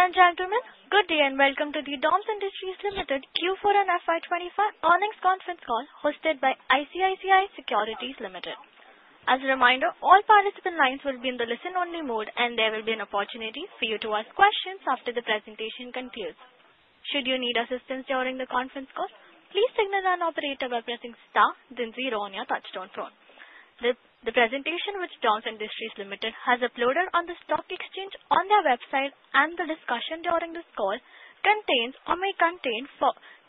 Ladies and gentlemen, good day and welcome to the DOMS Industries Limited Q4 and FY2025 earnings conference call hosted by ICICI Securities Limited. As a reminder, all participant lines will be in the listen-only mode, and there will be an opportunity for you to ask questions after the presentation concludes. Should you need assistance during the conference call, please signal an operator by pressing star, then zero on your touchstone phone. The presentation which DOMS Industries Limited has uploaded on the stock exchange on their website and the discussion during this call contains or may contain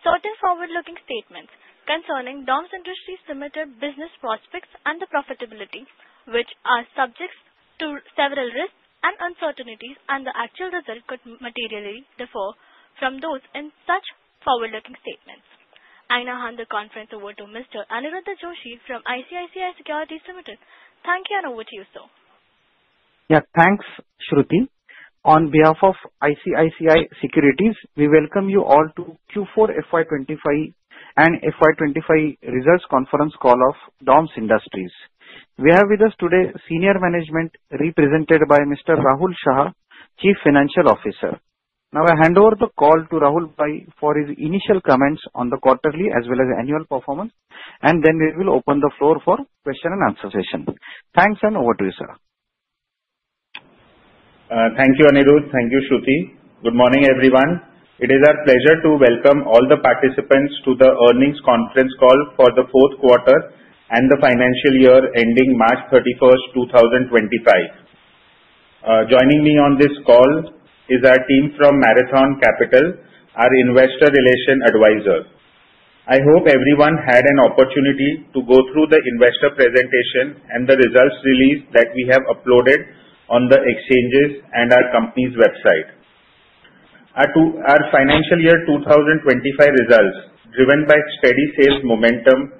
certain forward-looking statements concerning DOMS Industries Limited business prospects and the profitability, which are subject to several risks and uncertainties, and the actual result could materially differ from those in such forward-looking statements. I now hand the conference over to Mr. Aniruddha Joshi from ICICI Securities Limited. Thank you, and over to you, sir. Yeah, thanks, Shruti. On behalf of ICICI Securities, we welcome you all to Q4 FY2025 and FY2025 results conference call of DOMS Industries. We have with us today senior management represented by Mr. Rahul Shah, Chief Financial Officer. Now, I hand over the call to Rahul for his initial comments on the quarterly as well as annual performance, and then we will open the floor for question and answer session. Thanks, and over to you, sir. Thank you, Aniruddha. Thank you, Shruti. Good morning, everyone. It is our pleasure to welcome all the participants to the earnings conference call for the fourth quarter and the financial year ending March 31st, 2025. Joining me on this call is our team from Marathon Capital, our investor relation advisor. I hope everyone had an opportunity to go through the investor presentation and the results release that we have uploaded on the exchanges and our company's website. Our financial year 2025 results, driven by steady sales momentum,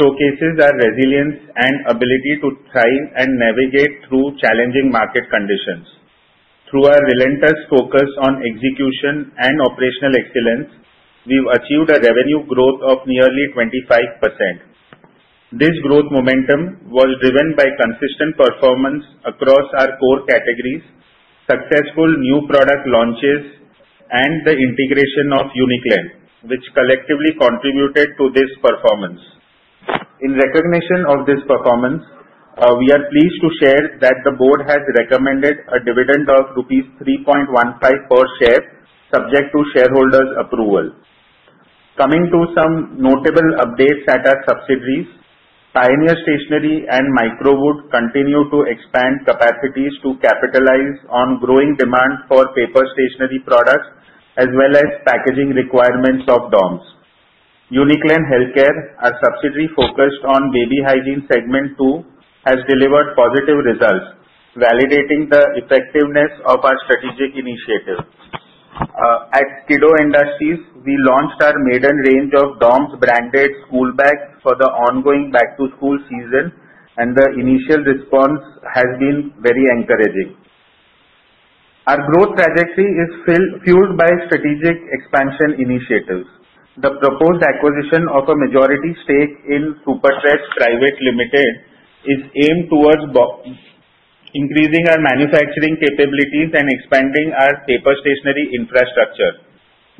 showcase our resilience and ability to thrive and navigate through challenging market conditions. Through our relentless focus on execution and operational excellence, we've achieved a revenue growth of nearly 25%. This growth momentum was driven by consistent performance across our core categories, successful new product launches, and the integration of Uniclan, which collectively contributed to this performance. In recognition of this performance, we are pleased to share that the board has recommended a dividend of rupees 3.15 per share, subject to shareholders' approval. Coming to some notable updates at our subsidiaries, Pioneer Stationery and Microwood continue to expand capacities to capitalize on growing demand for paper stationery products as well as packaging requirements of DOMS. Uniclan Healthcare, our subsidiary focused on the Baby Hygiene segment too, has delivered positive results, validating the effectiveness of our strategic initiative. At Skido Industries, we launched our maiden range of DOMS branded school bags for the ongoing Back to School season, and the initial response has been very encouraging. Our growth trajectory is fueled by strategic expansion initiatives. The proposed acquisition of a majority stake in Super Treads Private Limited is aimed towards increasing our manufacturing capabilities and expanding our paper stationery infrastructure.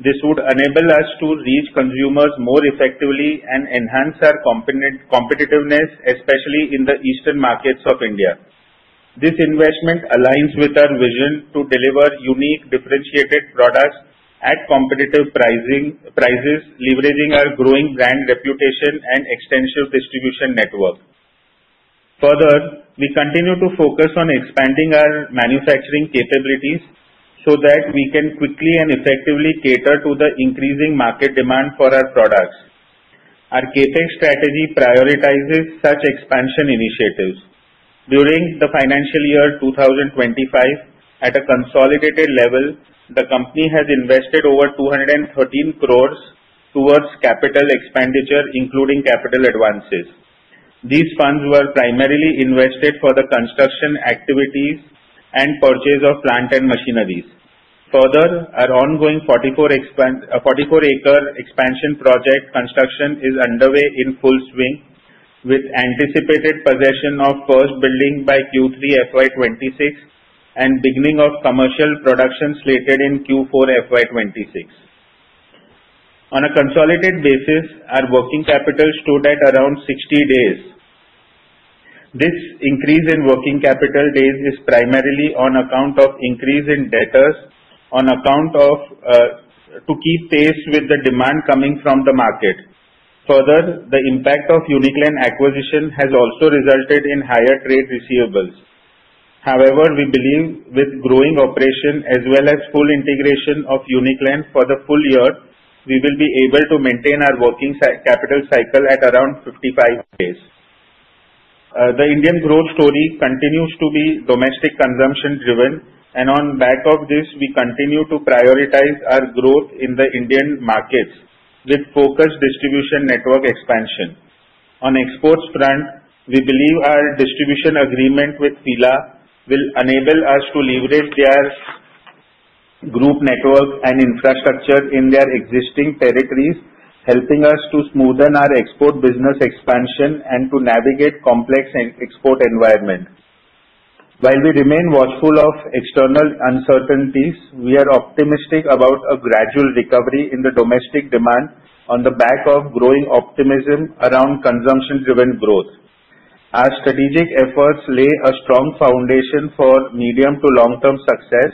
This would enable us to reach consumers more effectively and enhance our competitiveness, especially in the eastern markets of India. This investment aligns with our vision to deliver unique, differentiated products at competitive prices, leveraging our growing brand reputation and extensive distribution network. Further, we continue to focus on expanding our manufacturing capabilities so that we can quickly and effectively cater to the increasing market demand for our products. Our CapEx strategy prioritizes such expansion initiatives. During the financial year 2025, at a consolidated level, the company has invested over 2.13 billion towards capital expenditure, including capital advances. These funds were primarily invested for the construction activities and purchase of plant and machineries. Further, our ongoing 44-acre expansion project construction is underway in full swing, with anticipated possession of first building by Q3 FY2026 and beginning of commercial production slated in Q4 FY2026. On a consolidated basis, our working capital stood at around 60 days. This increase in working capital days is primarily on account of increase in debtors on account of keeping pace with the demand coming from the market. Further, the impact of Uniclan acquisition has also resulted in higher trade receivables. However, we believe with growing operation as well as full integration of Uniclan for the full year, we will be able to maintain our working capital cycle at around 55 days. The Indian growth story continues to be domestic consumption driven, and on the back of this, we continue to prioritize our growth in the Indian markets with focused distribution network expansion. On the exports front, we believe our distribution agreement with FILA will enable us to leverage their group network and infrastructure in their existing territories, helping us to smoothen our export business expansion and to navigate complex export environments. While we remain watchful of external uncertainties, we are optimistic about a gradual recovery in the domestic demand on the back of growing optimism around consumption-driven growth. Our strategic efforts lay a strong foundation for medium to long-term success,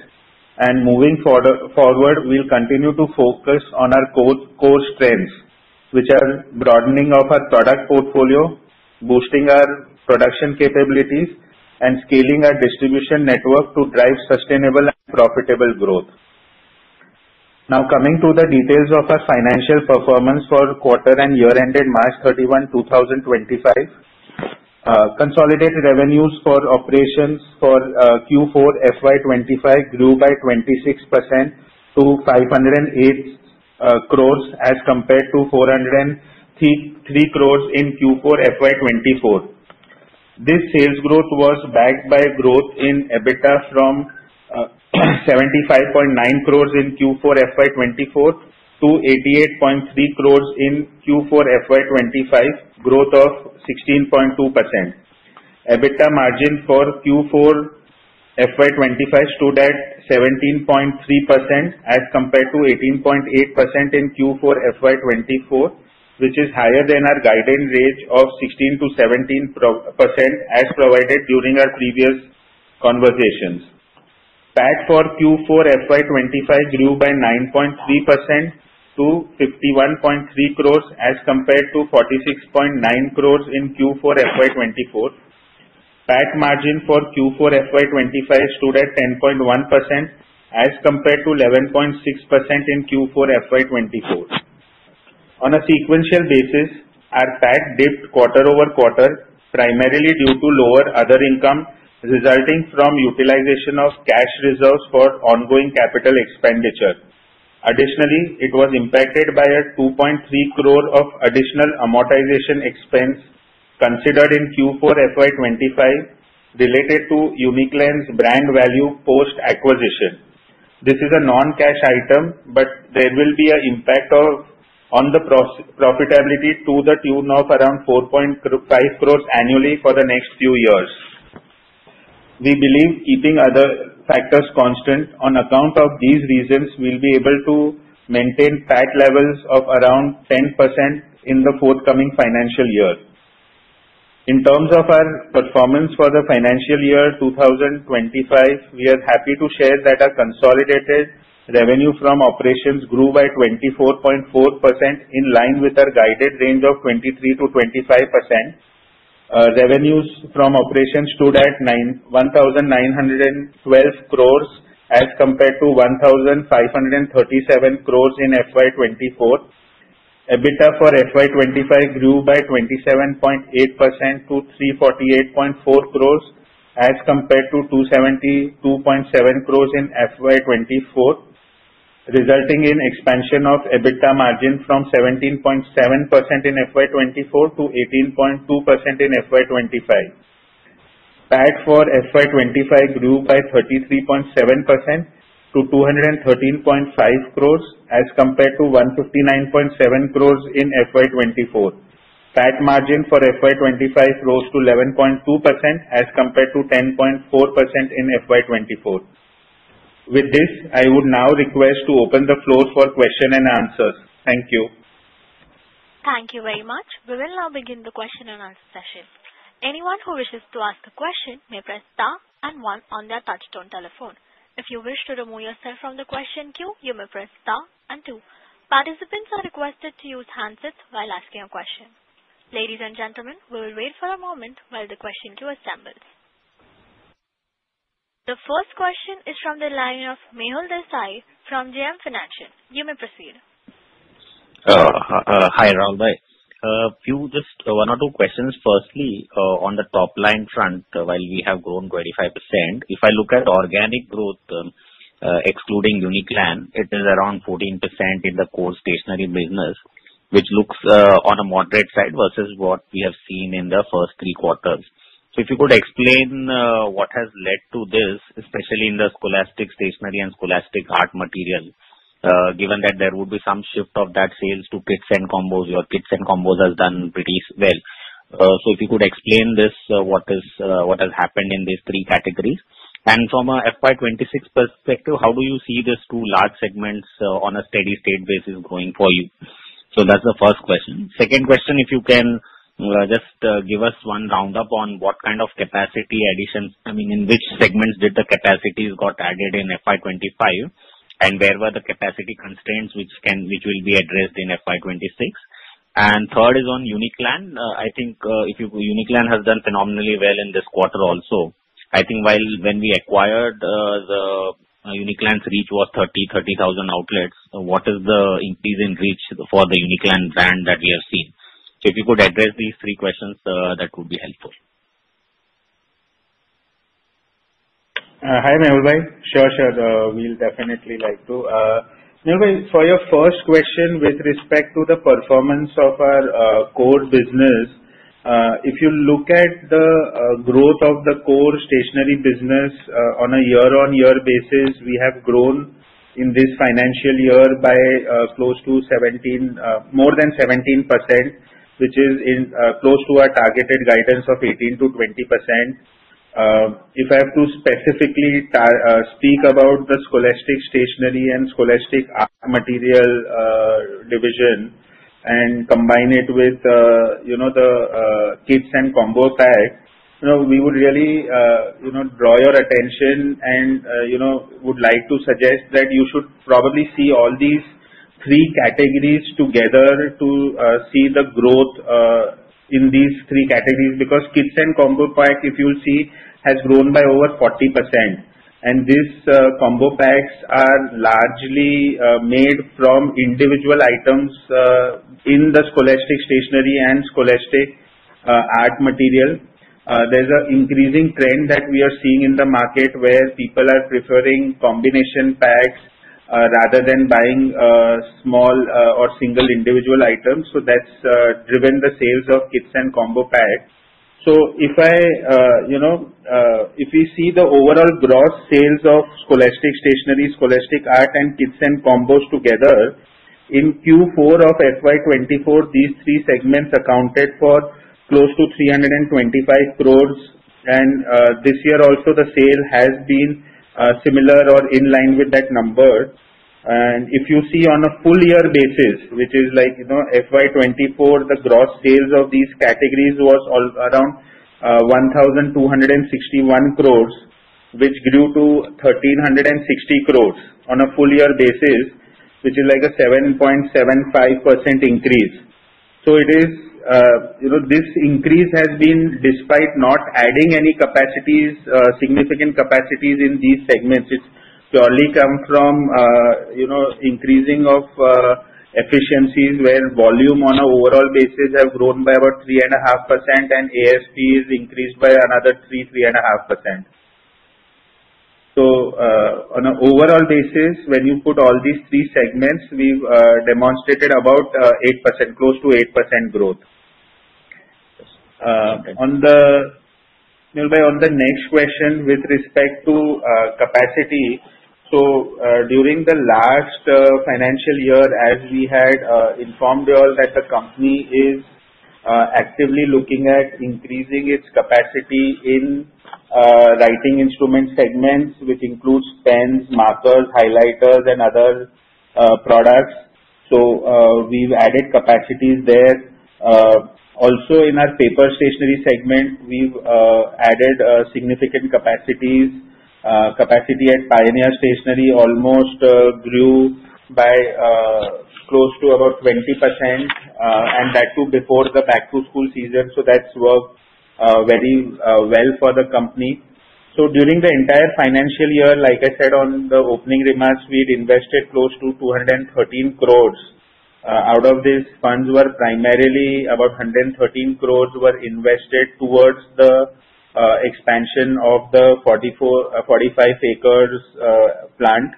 and moving forward, we'll continue to focus on our core strengths, which are broadening our product portfolio, boosting our production capabilities, and scaling our distribution network to drive sustainable and profitable growth. Now, coming to the details of our financial performance for quarter and year-ended March 31, 2025, consolidated revenues for operations for Q4 FY2025 grew by 26% to 508 crores as compared to 403 crores in Q4 FY2024. This sales growth was backed by growth in EBITDA from 75.9 crores in Q4 FY2024 to 88.3 crores in Q4 FY2025, growth of 16.2%. EBITDA margin for Q4 FY2025 stood at 17.3% as compared to 18.8% in Q4 FY2024, which is higher than our guidance range of 16%-17% as provided during our previous conversations. PAT for Q4 FY2025 grew by 9.3% to 51.3 crores as compared to 46.9 crores in Q4 FY2024. PAT margin for Q4 FY2025 stood at 10.1% as compared to 11.6% in Q4 FY2024. On a sequential basis, our PAT dipped quarter over quarter, primarily due to lower other income resulting from utilization of cash reserves for ongoing capital expenditure. Additionally, it was impacted by a 2.3 crores of additional amortization expense considered in Q4 FY2025 related to Uniclan's brand value post-acquisition. This is a non-cash item, but there will be an impact on the profitability to the tune of around 4.5 crores annually for the next few years. We believe keeping other factors constant on account of these reasons will be able to maintain PAT levels of around 10% in the forthcoming financial year. In terms of our performance for the financial year 2025, we are happy to share that our consolidated revenue from operations grew by 24.4% in line with our guided range of 23%-25%. Revenues from operations stood at 1,912 crores as compared to 1,537 crores in FY2024. EBITDA for FY2025 grew by 27.8% to 348.4 crores as compared to 272.7 crores in FY2024, resulting in expansion of EBITDA margin from 17.7% in FY2024 to 18.2% in FY2025. PAT for FY2025 grew by 33.7% to 213.5 crores as compared to 159.7 crores in FY2024. PAT margin for FY2025 rose to 11.2% as compared to 10.4% in FY2024. With this, I would now request to open the floor for question and answers. Thank you. Thank you very much. We will now begin the question and answer session. Anyone who wishes to ask a question may press star and one on their touchstone telephone. If you wish to remove yourself from the question queue, you may press star and two. Participants are requested to use handsets while asking a question. Ladies and gentlemen, we will wait for a moment while the question queue assembles. The first question is from the line of Mehul Desai from JM Financial. You may proceed. Hi, Rahul. A few just one or two questions. Firstly, on the top line front, while we have grown 25%, if I look at organic growth, excluding Uniclan, it is around 14% in the core stationery business, which looks on a moderate side versus what we have seen in the first three quarters. So if you could explain what has led to this, especially in the scholastic stationery and scholastic art material, given that there would be some shift of that sales to kits and combos. Your kits and combos has done pretty well. So if you could explain this, what has happened in these three categories? From an FY2026 perspective, how do you see these two large segments on a steady-state basis growing for you? That is the first question. Second question, if you can just give us one roundup on what kind of capacity additions, I mean, in which segments did the capacities got added in FY2025, and where were the capacity constraints which will be addressed in FY2026? Third is on Uniclan. I think Uniclan has done phenomenally well in this quarter also. I think while when we acquired, Uniclan's reach was 30,000 outlets. What is the increase in reach for the Uniclan brand that we have seen. If you could address these three questions, that would be helpful. Hi, Mehul bhai. Sure, sure. We'll definitely like to. Mehul bhai, for your first question with respect to the performance of our core business, if you look at the growth of the core stationery business on a year-on-year basis, we have grown in this financial year by close to 17, more than 17%, which is close to our targeted guidance of 18%-20%. If I have to specifically speak about the scholastic stationery and scholastic art material division and combine it with the kits and combo pack, we would really draw your attention and would like to suggest that you should probably see all these three categories together to see the growth in these three categories because kits and combo pack, if you'll see, has grown by over 40%. And these combo packs are largely made from individual items in the scholastic stationery and scholastic art material. is an increasing trend that we are seeing in the market where people are preferring combination packs rather than buying small or single individual items. That has driven the sales of kits and combo packs. If we see the overall gross sales of scholastic stationery, scholastic art, and kits and combos together, in Q4 of FY2024, these three segments accounted for close to 325 crores. This year also, the sale has been similar or in line with that number. If you see on a full year basis, which is FY2024, the gross sales of these categories was around 1,261 crores, which grew to 1,360 crores on a full year basis, which is a 7.75% increase. This increase has been, despite not adding any significant capacities in these segments, it has purely come from increasing efficiencies where volume on an overall basis has grown by about 3.5%, and ASP has increased by another 3%-3.5%. On an overall basis, when you put all these three segments, we have demonstrated about close to 8% growth. Mehul bhai, on the next question with respect to capacity, during the last financial year, as we had informed you all, the company is actively looking at increasing its capacity in writing instrument segments, which includes pens, markers, highlighters, and other products. We have added capacities there. Also, in our paper stationery segment, we have added significant capacities. Capacity at Pioneer Stationery almost grew by close to about 20%, and that too before the back-to-school season. That has worked very well for the company. During the entire financial year, like I said in the opening remarks, we had invested close to 213 crores. Out of these funds, about 113 crores were invested towards the expansion of the 45 acres plant.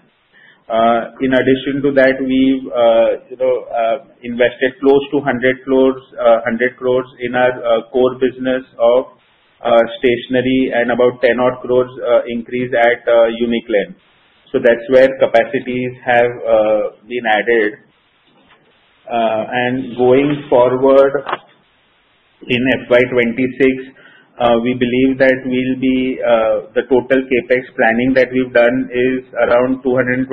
In addition to that, we have invested close to 100 crores in our core business of stationery and about 10-odd crores increase at Uniclan. That is where capacities have been added. Going forward in FY 2026, we believe that the total capex planning that we have done is around 225-250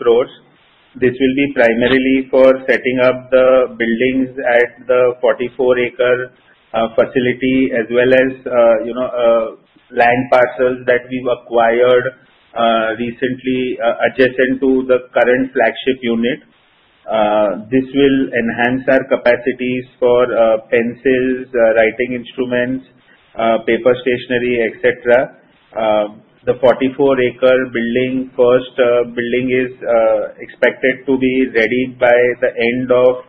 crores. This will be primarily for setting up the buildings at the 44-acre facility as well as land parcels that we have acquired recently adjacent to the current flagship unit. This will enhance our capacities for pencils, writing instruments, paper stationery, etc. The 44-acre building, first building is expected to be ready by the end of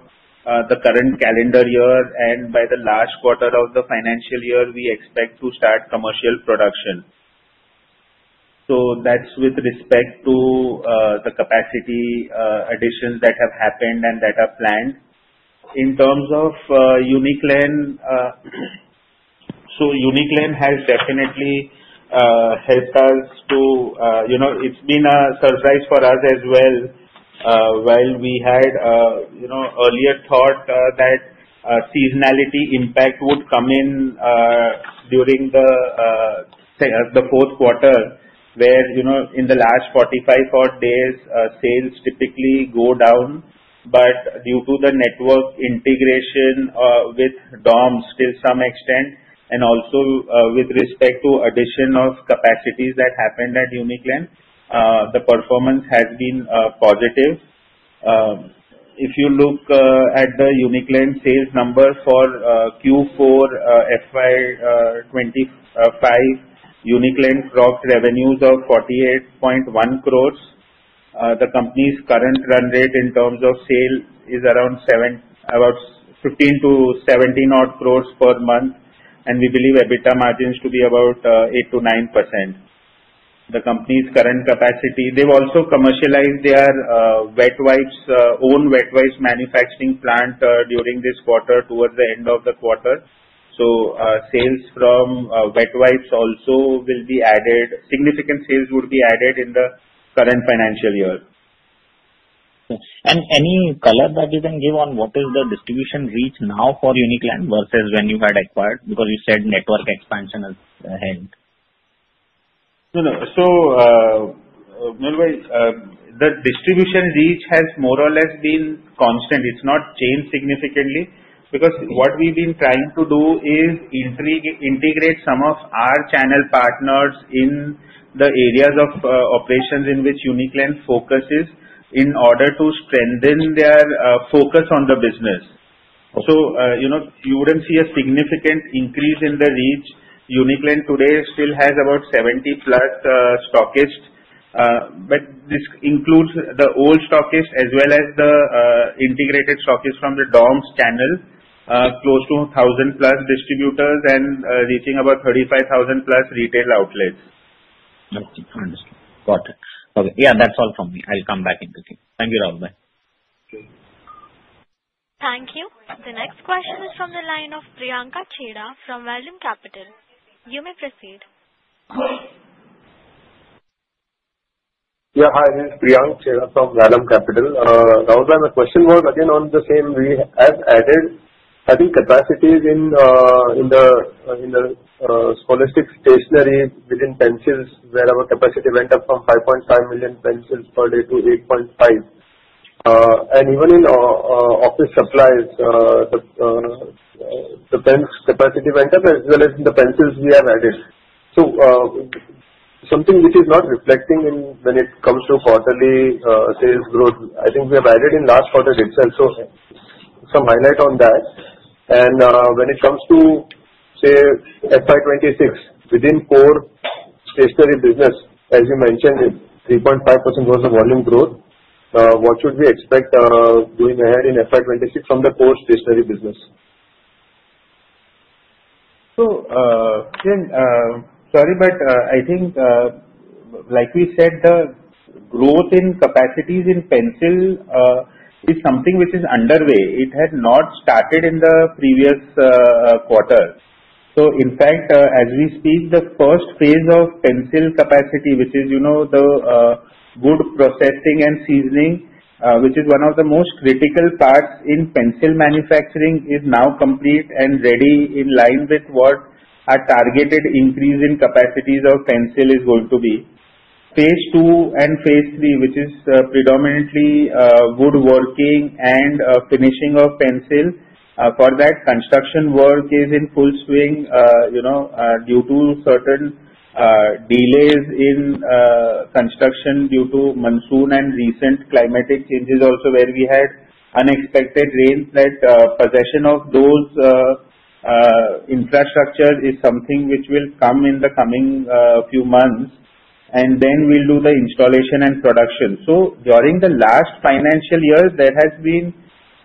the current calendar year, and by the last quarter of the financial year, we expect to start commercial production. That is with respect to the capacity additions that have happened and that are planned. In terms of Uniclan, Uniclan has definitely helped us to, it's been a surprise for us as well. While we had earlier thought that seasonality impact would come in during the fourth quarter, where in the last 45-odd days, sales typically go down. Due to the network integration with DOMS to some extent, and also with respect to addition of capacities that happened at Uniclan, the performance has been positive. If you look at the Uniclan sales number for Q4 FY2025, Uniclan cropped revenues of 48.1 crores. The company's current run rate in terms of sale is around 15-17 odd crores per month, and we believe EBITDA margins to be about 8%-9%. The company's current capacity, they've also commercialized their own wet wipes manufacturing plant during this quarter towards the end of the quarter. Sales from wet wipes also will be added. Significant sales would be added in the current financial year. Any color that you can give on what is the distribution reach now for Uniclan versus when you had acquired? Because you said network expansion has held. No, no. So, Mehul bhai, the distribution reach has more or less been constant. It's not changed significantly because what we've been trying to do is integrate some of our channel partners in the areas of operations in which Uniclan focuses in order to strengthen their focus on the business. You wouldn't see a significant increase in the reach. Uniclan today still has about 70-plus stockist, but this includes the old stockist as well as the integrated stockist from the DOMS channel, close to 1,000-plus distributors and reaching about 35,000-plus retail outlets. Got it. Okay. Yeah, that's all from me. I'll come back into it. Thank you, Rahul. Bye. Thank you. The next question is from the line of Priyanka Chheda from Vallum Capital. You may proceed. Yeah, hi. This is Priyank Chheda from Vallum Capital. Rahul, my question was again on the same. We have added, I think, capacities in the scholastic stationery within pencils, where our capacity went up from 5.5 million pencils per day to 8.5. And even in office supplies, the pencil capacity went up as well as the pencils we have added. Something which is not reflecting in when it comes to quarterly sales growth, I think we have added in last quarter itself. Some highlight on that. When it comes to, say, FY2026, within core stationery business, as you mentioned, 3.5% was the volume growth. What should we expect going ahead in FY2026 from the core stationery business? Again, sorry, but I think, like we said, the growth in capacities in pencil is something which is underway. It had not started in the previous quarter. In fact, as we speak, the first phase of pencil capacity, which is the wood processing and seasoning, which is one of the most critical parts in pencil manufacturing, is now complete and ready in line with what our targeted increase in capacities of pencil is going to be. Phase two and Phase three, which is predominantly wood working and finishing of pencil, for that, construction work is in full swing due to certain delays in construction due to monsoon and recent climatic changes also, where we had unexpected rains. That possession of those infrastructure is something which will come in the coming few months. Then we'll do the installation and production. During the last financial year, there has been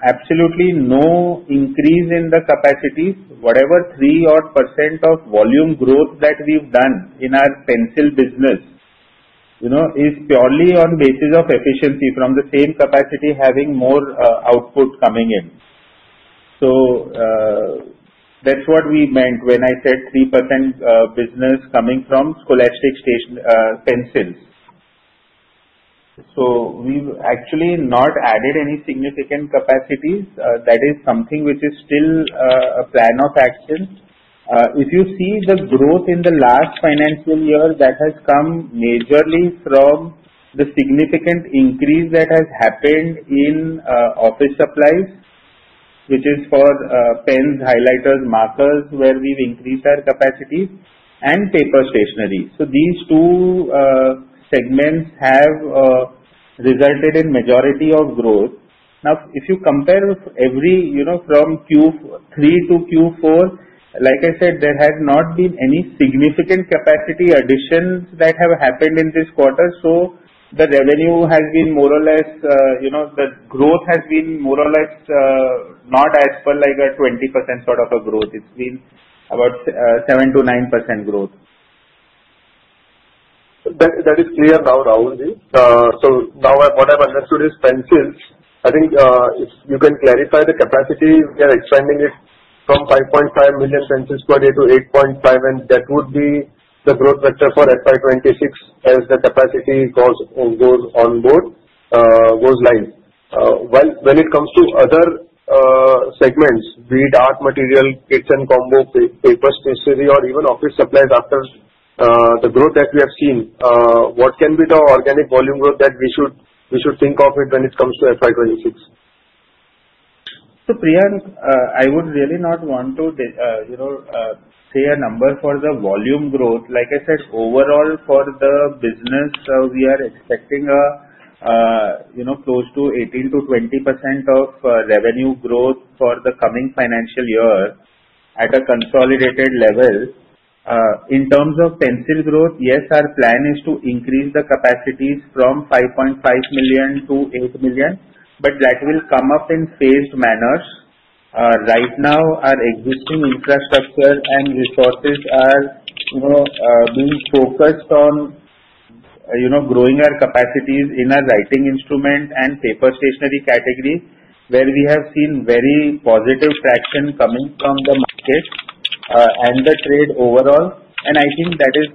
absolutely no increase in the capacity, whatever 3% of volume growth that we have done in our pencil business is purely on the basis of efficiency from the same capacity having more output coming in. That is what we meant when I said 3% business coming from Scholastic Stationery pencils. We have actually not added any significant capacities. That is something which is still a plan of action. If you see the growth in the last financial year, that has come majorly from the significant increase that has happened in office supplies, which is for pens, highlighters, markers, where we have increased our capacities, and paper stationery. These two segments have resulted in the majority of growth. Now, if you compare every from Q3 to Q4, like I said, there has not been any significant capacity additions that have happened in this quarter. The revenue has been more or less, the growth has been more or less not as per like a 20% sort of a growth. It's been about 7-9% growth. That is clear now, Rahul. Now what I've understood is pencils. I think if you can clarify the capacity, we are expanding it from 5.5 million pencils per day to 8.5 million, and that would be the growth vector for FY2026 as the capacity goes on board, goes line. When it comes to other segments, read, art material, kits and combos, paper stationery, or even office supplies, after the growth that we have seen, what can be the organic volume growth that we should think of when it comes to FY2026? Priyank, I would really not want to say a number for the volume growth. Like I said, overall for the business, we are expecting close to 18%-20% of revenue growth for the coming financial year at a consolidated level. In terms of pencil growth, yes, our plan is to increase the capacities from 5.5 million to 8 million, but that will come up in phased manners. Right now, our existing infrastructure and resources are being focused on growing our capacities in our writing instrument and paper stationery category, where we have seen very positive traction coming from the market and the trade overall. I think that is,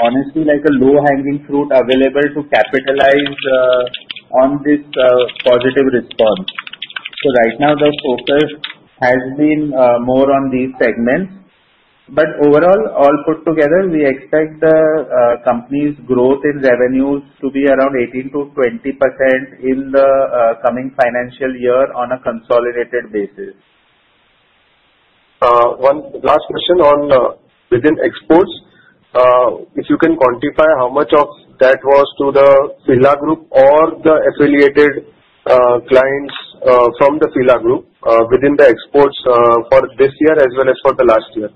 honestly, like a low-hanging fruit available to capitalize on this positive response. Right now, the focus has been more on these segments. Overall, all put together, we expect the company's growth in revenues to be around 18%-20% in the coming financial year on a consolidated basis. One last question on within exports. If you can quantify how much of that was to the FILA Group or the affiliated clients from the FILA Group within the exports for this year as well as for the last year.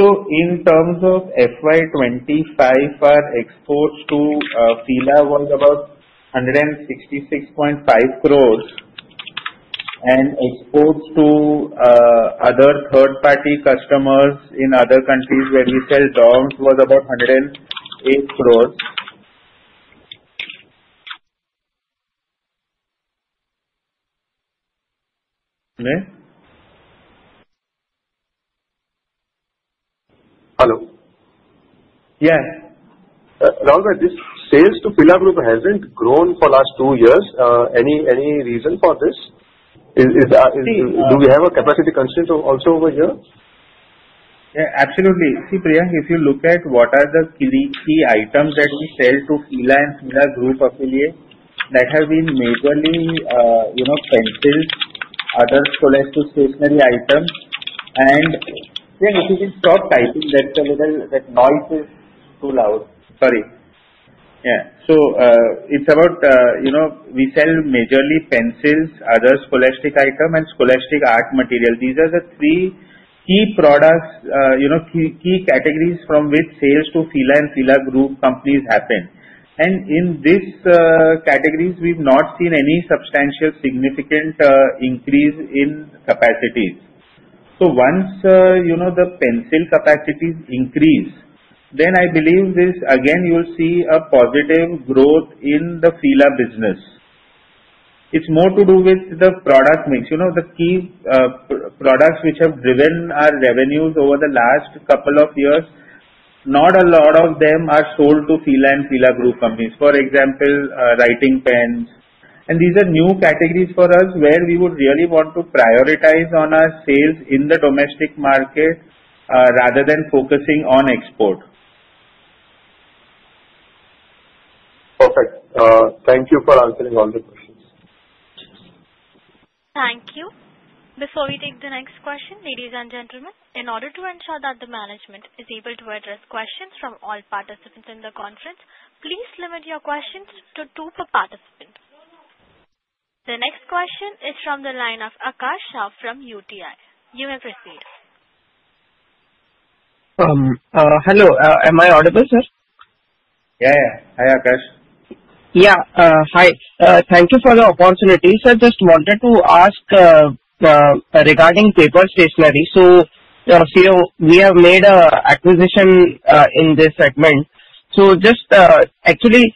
In terms of FY2025, our exports to FILA was about INR 166.5 crores, and exports to other third-party customers in other countries where we sell DOMS was about 108 crores. Yes. Rahul, this sales to FILA Group hasn't grown for the last two years. Any reason for this? Do we have a capacity constraint also over here? Yeah, absolutely. See, Priyank, if you look at what are the key items that we sell to FILA and FILA Group affiliates, that have been majorly pencils, other scholastic stationery items. Yeah, if you can stop typing, that noise is too loud. Sorry. Yeah. It is about we sell majorly pencils, other scholastic items, and scholastic art material. These are the three key products, key categories from which sales to FILA and FILA Group companies happen. In these categories, we've not seen any substantial significant increase in capacities. Once the pencil capacities increase, then I believe this, again, you'll see a positive growth in the FILA business. It is more to do with the product mix. The key products which have driven our revenues over the last couple of years, not a lot of them are sold to FILA and FILA Group companies. For example, writing pens. These are new categories for us where we would really want to prioritize on our sales in the domestic market rather than focusing on export. Perfect. Thank you for answering all the questions. Thank you. Before we take the next question, ladies and gentlemen, in order to ensure that the management is able to address questions from all participants in the conference, please limit your questions to two per participant. The next question is from the line of Akash Shah from UTI. You may proceed. Hello. Am I audible, sir? Yeah, yeah. Hi, Akash. Yeah, hi. Thank you for the opportunity. I just wanted to ask regarding paper stationery. We have made an acquisition in this segment. Just actually,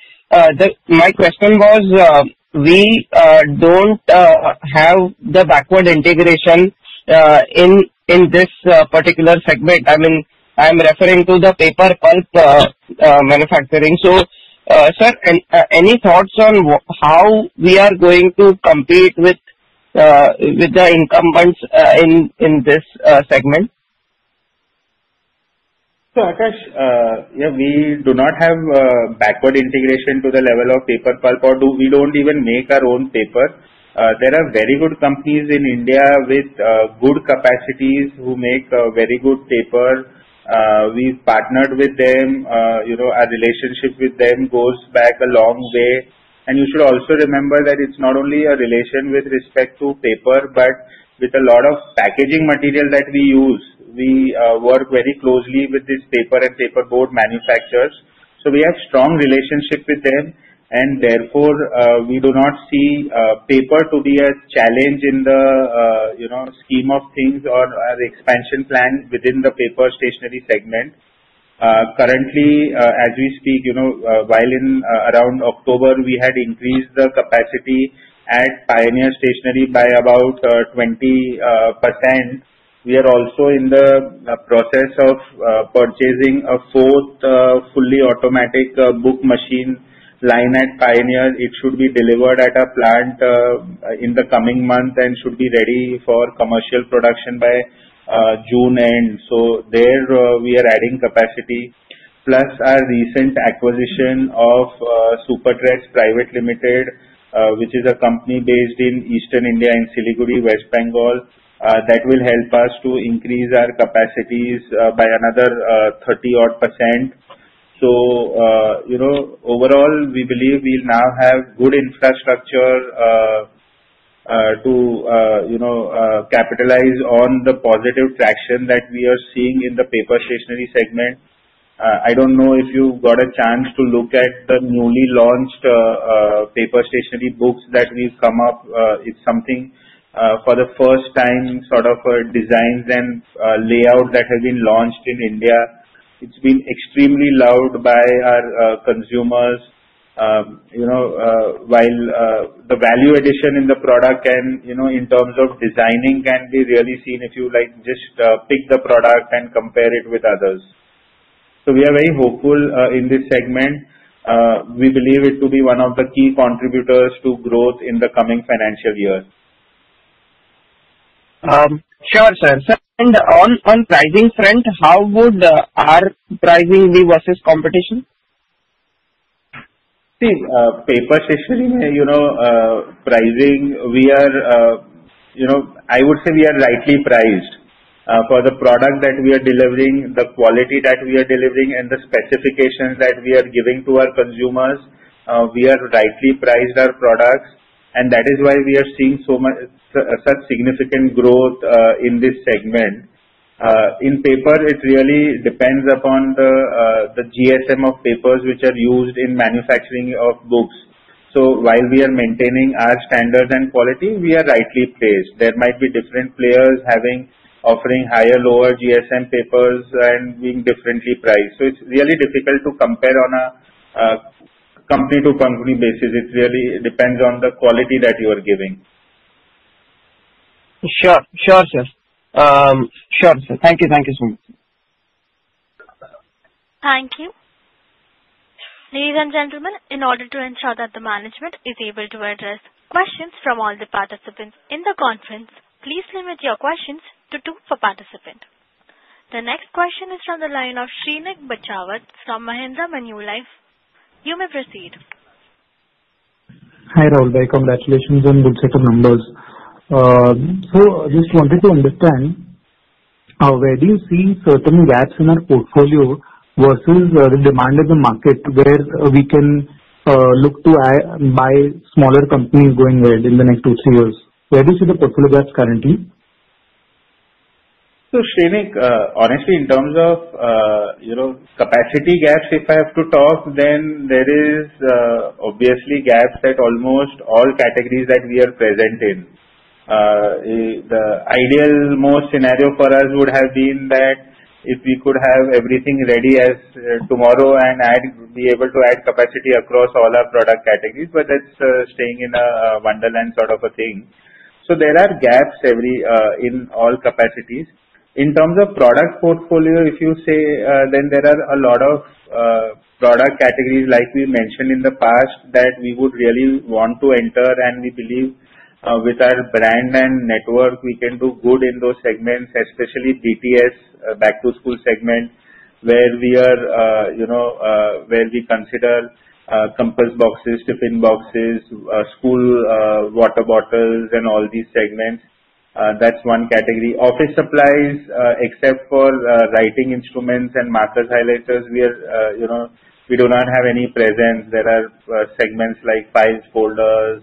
my question was, we do not have the backward integration in this particular segment. I mean, I am referring to the paper pulp manufacturing. Sir, any thoughts on how we are going to compete with the incumbents in this segment? Akash, yeah, we do not have backward integration to the level of paper pulp, or we do not even make our own paper. There are very good companies in India with good capacities who make very good paper. We have partnered with them. Our relationship with them goes back a long way. You should also remember that it is not only a relation with respect to paper, but with a lot of packaging material that we use. We work very closely with these paper and paperboard manufacturers. We have a strong relationship with them. Therefore, we do not see paper to be a challenge in the scheme of things or our expansion plan within the paper stationery segment. Currently, as we speak, while in around October, we had increased the capacity at Pioneer Stationery by about 20%. We are also in the process of purchasing a fourth fully automatic book machine line at Pioneer. It should be delivered at our plant in the coming month and should be ready for commercial production by June end. There, we are adding capacity. Plus, our recent acquisition of Super Treads Private Limited, which is a company based in Eastern India in Siliguri, West Bengal, that will help us to increase our capacities by another 30-odd %. Overall, we believe we now have good infrastructure to capitalize on the positive traction that we are seeing in the paper stationery segment. I do not know if you got a chance to look at the newly launched paper stationery books that we have come up. It is something for the first time, sort of designs and layout that have been launched in India. It's been extremely loved by our consumers while the value addition in the product and in terms of designing can be really seen if you just pick the product and compare it with others. We are very hopeful in this segment. We believe it to be one of the key contributors to growth in the coming financial year. Sure, sir. And on pricing front, how would our pricing be versus competition? See, paper stationery pricing, we are I would say we are rightly priced for the product that we are delivering, the quality that we are delivering, and the specifications that we are giving to our consumers. We are rightly priced our products. That is why we are seeing such significant growth in this segment. In paper, it really depends upon the GSM of papers which are used in manufacturing of books. While we are maintaining our standards and quality, we are rightly placed. There might be different players offering higher, lower GSM papers and being differently priced. It is really difficult to compare on a company-to-company basis. It really depends on the quality that you are giving. Sure, sir. Thank you, thank you so much. Thank you. Ladies and gentlemen, in order to ensure that the management is able to address questions from all the participants in the conference, please limit your questions to two per participant. The next question is from the line of Shrenik Bachhawat from Mahindra Manulife. You may proceed. Hi Rahul. Congratulations on good set of numbers. I just wanted to understand, where do you see certain gaps in our portfolio versus the demand in the market where we can look to buy smaller companies going ahead in the next two to three years? Where do you see the portfolio gaps currently? Shrenik, honestly, in terms of capacity gaps, if I have to talk, then there is obviously gaps at almost all categories that we are present in. The ideal most scenario for us would have been that if we could have everything ready tomorrow and be able to add capacity across all our product categories, but that is staying in a wonderland sort of a thing. There are gaps in all capacities. In terms of product portfolio, if you say, then there are a lot of product categories like we mentioned in the past that we would really want to enter, and we believe with our brand and network, we can do good in those segments, especially BTS, back-to-school segment, where we consider compass boxes, tip-in boxes, school water bottles, and all these segments. That is one category. Office supplies, except for writing instruments and markers, highlighters, we do not have any presence. There are segments like files, folders,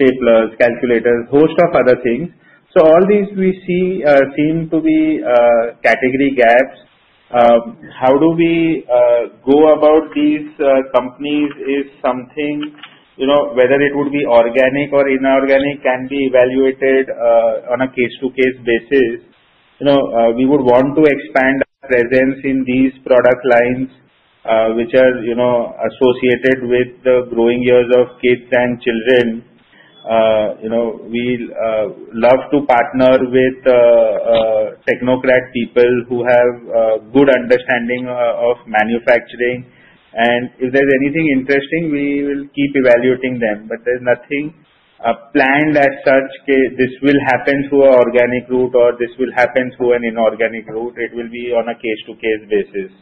staplers, calculators, a host of other things. All these we see seem to be category gaps. How do we go about these companies is something whether it would be organic or inorganic can be evaluated on a case-to-case basis. We would want to expand our presence in these product lines which are associated with the growing years of kids and children. We love to partner with technocrat people who have good understanding of manufacturing. If there's anything interesting, we will keep evaluating them. There is nothing planned as such that this will happen through an organic route or this will happen through an inorganic route. It will be on a case-to-case basis.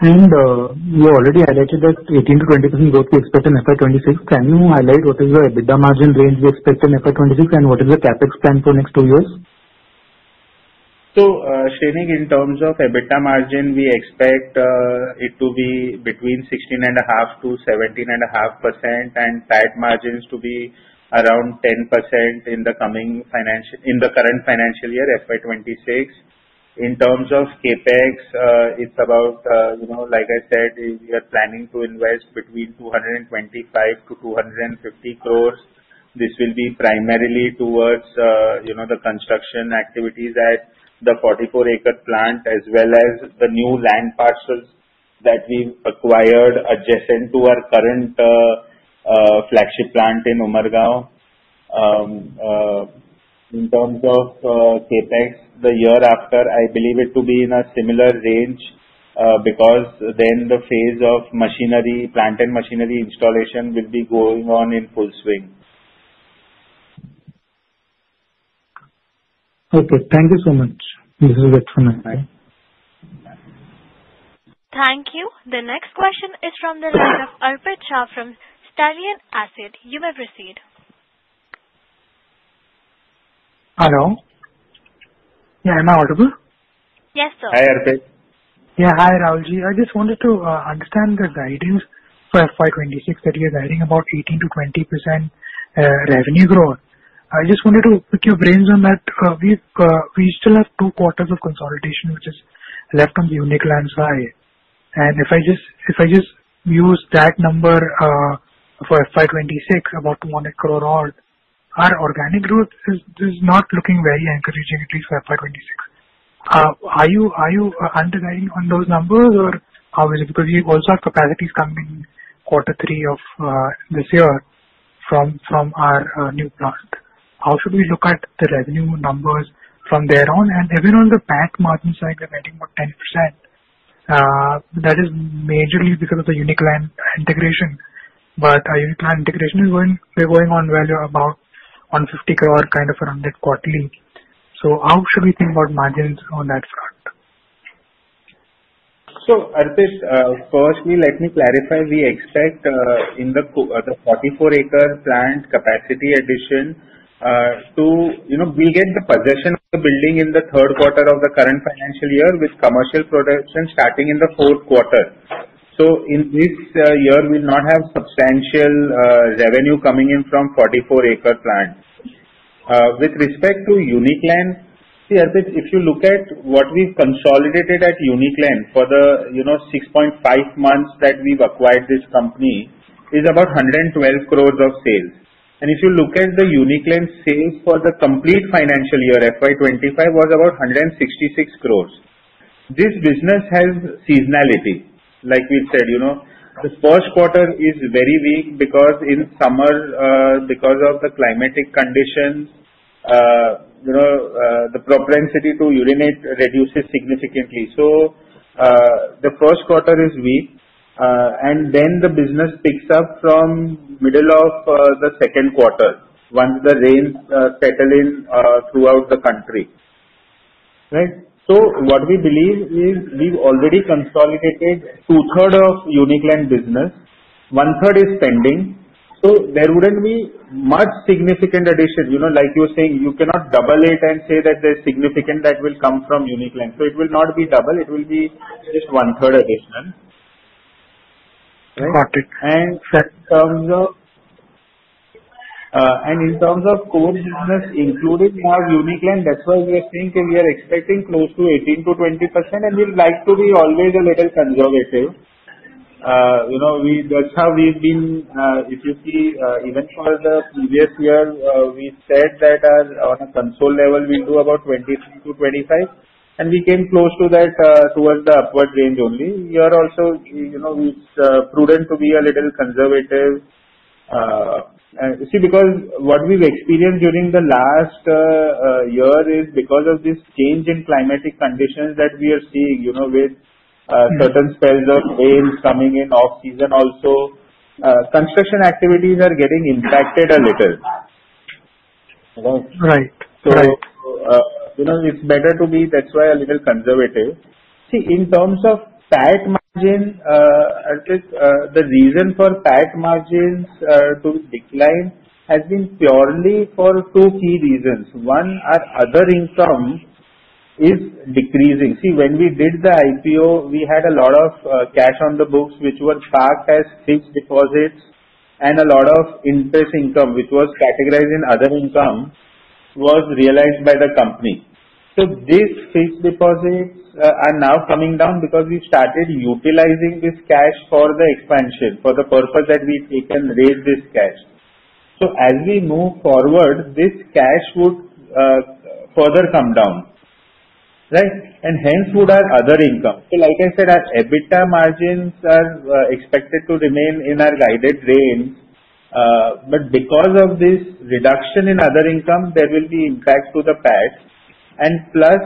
Sure. You already highlighted that 18%-20% growth we expect in FY2026. Can you highlight what is the EBITDA margin range we expect in FE2026 and what is the CapEx plan for next two years? Shrenik, in terms of EBITDA margin, we expect it to be between 16.5%-17.5% and PAT margins to be around 10% in the current financial year, FY2026. In terms of CapEx, it's about, like I said, we are planning to invest between 225 crores-250 crores. This will be primarily towards the construction activities at the 44-acre plant as well as the new land parcels that we've acquired adjacent to our current flagship plant in Umargaon. In terms of CapEx, the year after, I believe it to be in a similar range because then the phase of plant and machinery installation will be going on in full swing. Okay. Thank you so much. This is good for now. Thank you. The next question is from the line of Arpit Shah from Stallion Asset. You may proceed. Hello? Yeah, am I audible? Yes, sir. Hi, Arpit. Yeah, hi, Rahulji. I just wanted to understand the guidance for FY2026 that you're adding about 18%-20% revenue growth. I just wanted to pick your brains on that. We still have two quarters of consolidation which is left on the Uniclan buy. If I just use that number for FY2026, about INR one crore odd, our organic growth is not looking very encouraging, at least for FY2026. Are you underwriting on those numbers or how is it? Because we also have capacities coming in quarter three of this year from our new plant. How should we look at the revenue numbers from there on? Even on the back margin side, we're getting about 10%. That is majorly because of the Uniclan integration. Our Uniclan integration is going on about 150 crores kind of around that quarterly. How should we think about margins on that front? Arpit, firstly, let me clarify. We expect in the 44-acre plant capacity addition to we'll get the possession of the building in the third quarter of the current financial year with commercial production starting in the fourth quarter. In this year, we'll not have substantial revenue coming in from 44-acre plant. With respect to Uniclan, Arpit, if you look at what we've consolidated at Uniclan for the 6.5 months that we've acquired this company is about 112 crores of sales. If you look at the Uniclan sales for the complete financial year, FY2025 was about 166 crores. This business has seasonality. Like we said, the first quarter is very weak because in summer, because of the climatic conditions, the propensity to urinate reduces significantly. The first quarter is weak. The business picks up from middle of the second quarter once the rains settle in throughout the country. Right? What we believe is we've already consolidated two-thirds of Uniclan business. One-third is pending. There would not be much significant addition. Like you were saying, you cannot double it and say that there is significant that will come from Uniclan. It will not be double. It will be just one-third additional. Got it. In terms of core business, including more Uniclan, that's why we are saying we are expecting close to 18%-20%. We like to be always a little conservative. That's how we've been. If you see, even for the previous year, we said that on a console level, we'll do about 23%-25%. We came close to that towards the upward range only. We are also prudent to be a little conservative. See, because what we've experienced during the last year is because of this change in climatic conditions that we are seeing with certain spells of rains coming in off-season also, construction activities are getting impacted a little. Right. Right. It's better to be, that's why, a little conservative. See, in terms of PAT margin, Arpit, the reason for PAT margins to decline has been purely for two key reasons. One, our other income is decreasing. See, when we did the IPO, we had a lot of cash on the books which were parked as fixed deposits and a lot of interest income which was categorized in other income was realized by the company. These fixed deposits are now coming down because we started utilizing this cash for the expansion, for the purpose that we've taken, raised this cash. As we move forward, this cash would further come down, right? And hence would our other income. Like I said, our EBITDA margins are expected to remain in our guided range. Because of this reduction in other income, there will be impact to the PAT. Plus,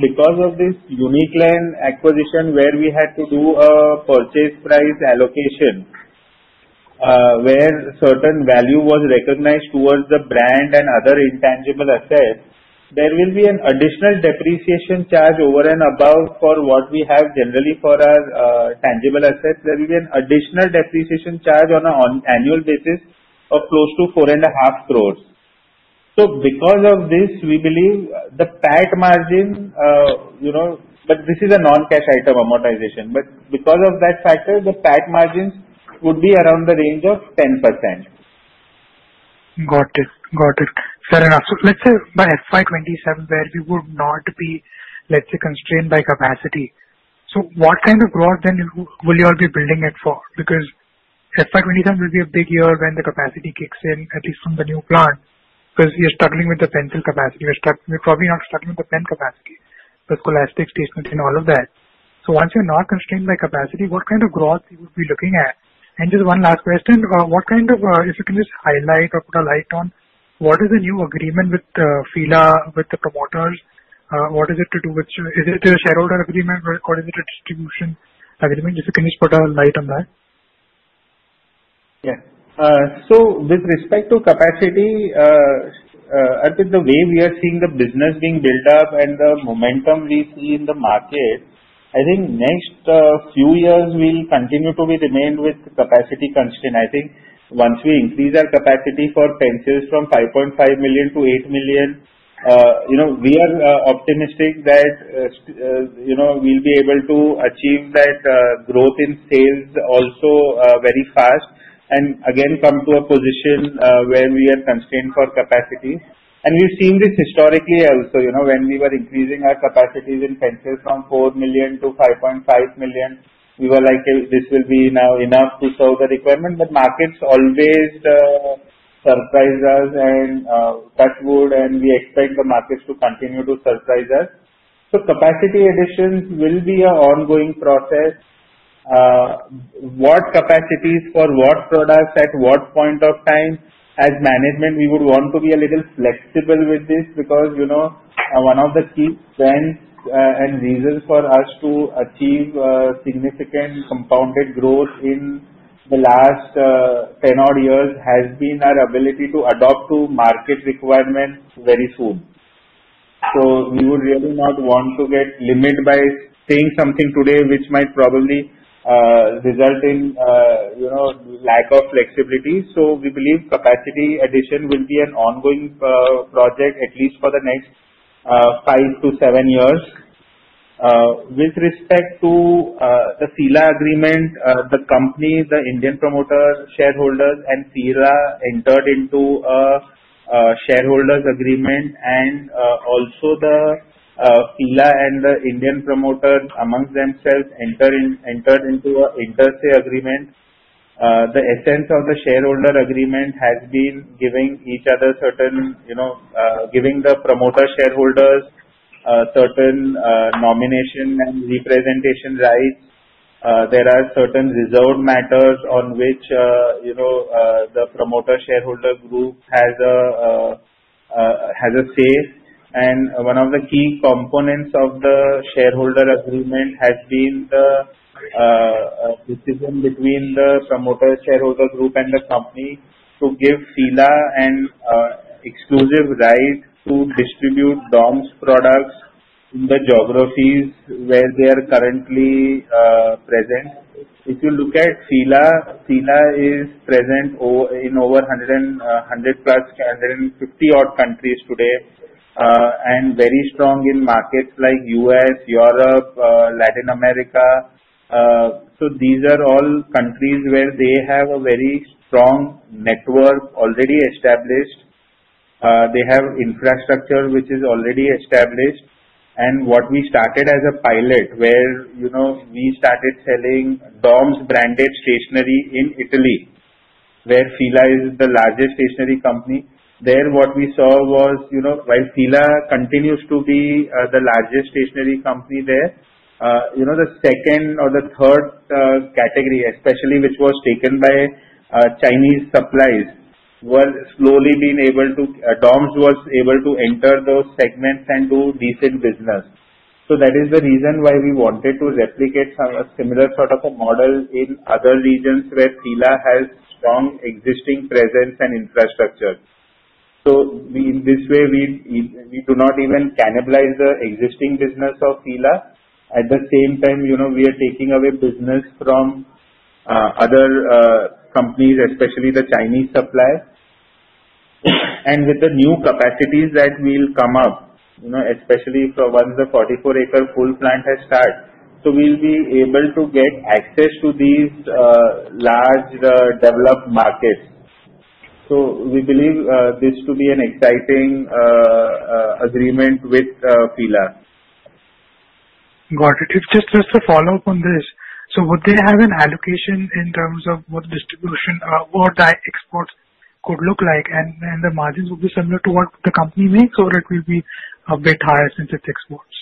because of this unique land acquisition where we had to do a purchase price allocation where certain value was recognized towards the brand and other intangible assets, there will be an additional depreciation charge over and above what we have generally for our tangible assets. There will be an additional depreciation charge on an annual basis of close to 4.5 crores. Because of this, we believe the PAT margin, but this is a non-cash item amortization. Because of that factor, the PAT margins would be around the range of 10%. Got it. Got it. Saran, let's say by FY2027 where we would not be, let's say, constrained by capacity. What kind of growth then will you all be building it for? Because FY2027 will be a big year when the capacity kicks in, at least from the new plant because you're struggling with the pencil capacity. We're probably not struggling with the pen capacity, the scholastic statements and all of that. Once you're not constrained by capacity, what kind of growth would we be looking at? Just one last question. If you can just highlight or put a light on, what is the new agreement with the promoters? What is it to do with? Is it a shareholder agreement or is it a distribution agreement? If you can just put a light on that. Yeah. So with respect to capacity, Arpit, the way we are seeing the business being built up and the momentum we see in the market, I think next few years we'll continue to remain with capacity constraint. I think once we increase our capacity for pencils from 5.5 million to 8 million, we are optimistic that we'll be able to achieve that growth in sales also very fast and again come to a position where we are constrained for capacity. We've seen this historically also. When we were increasing our capacities in pencils from 4 million to 5.5 million, we were like this will be now enough to serve the requirement, but markets always surprise us and touchwood, and we expect the markets to continue to surprise us. Capacity additions will be an ongoing process. What capacities for what products at what point of time? As management, we would want to be a little flexible with this because one of the key strengths and reasons for us to achieve significant compounded growth in the last 10-odd years has been our ability to adapt to market requirements very soon. We would really not want to get limited by saying something today which might probably result in lack of flexibility. We believe capacity addition will be an ongoing project at least for the next five to seven years. With respect to the FILA agreement, the company, the Indian promoter, shareholders, and FILA entered into a shareholders agreement. Also, the FILA and the Indian promoter amongst themselves entered into an inter se agreement. The essence of the shareholders agreement has been giving each other certain, giving the promoter shareholders certain nomination and representation rights. There are certain reserved matters on which the promoter shareholder group has a say. One of the key components of the shareholder agreement has been the decision between the promoter shareholder group and the company to give FILA an exclusive right to distribute DOMS products in the geographies where they are currently present. If you look at FILA, FILA is present in over 100-150 countries today and very strong in markets like U.S., Europe, Latin America. These are all countries where they have a very strong network already established. They have infrastructure which is already established. What we started as a pilot where we started selling DOMS branded stationery in Italy, where FILA is the largest stationery company. There what we saw was while FILA continues to be the largest stationery company there, the second or the third category, especially which was taken by Chinese suppliers, were slowly being able to DOMS was able to enter those segments and do decent business. That is the reason why we wanted to replicate a similar sort of a model in other regions where FILA has strong existing presence and infrastructure. In this way, we do not even cannibalize the existing business of FILA. At the same time, we are taking away business from other companies, especially the Chinese suppliers. With the new capacities that will come up, especially for once the 44-acre full plant has started, we will be able to get access to these large developed markets. We believe this to be an exciting agreement with FILA. Got it. Just a follow-up on this. Would they have an allocation in terms of what distribution or what the exports could look like? The margins would be similar to what the company makes or it will be a bit higher since it's exports?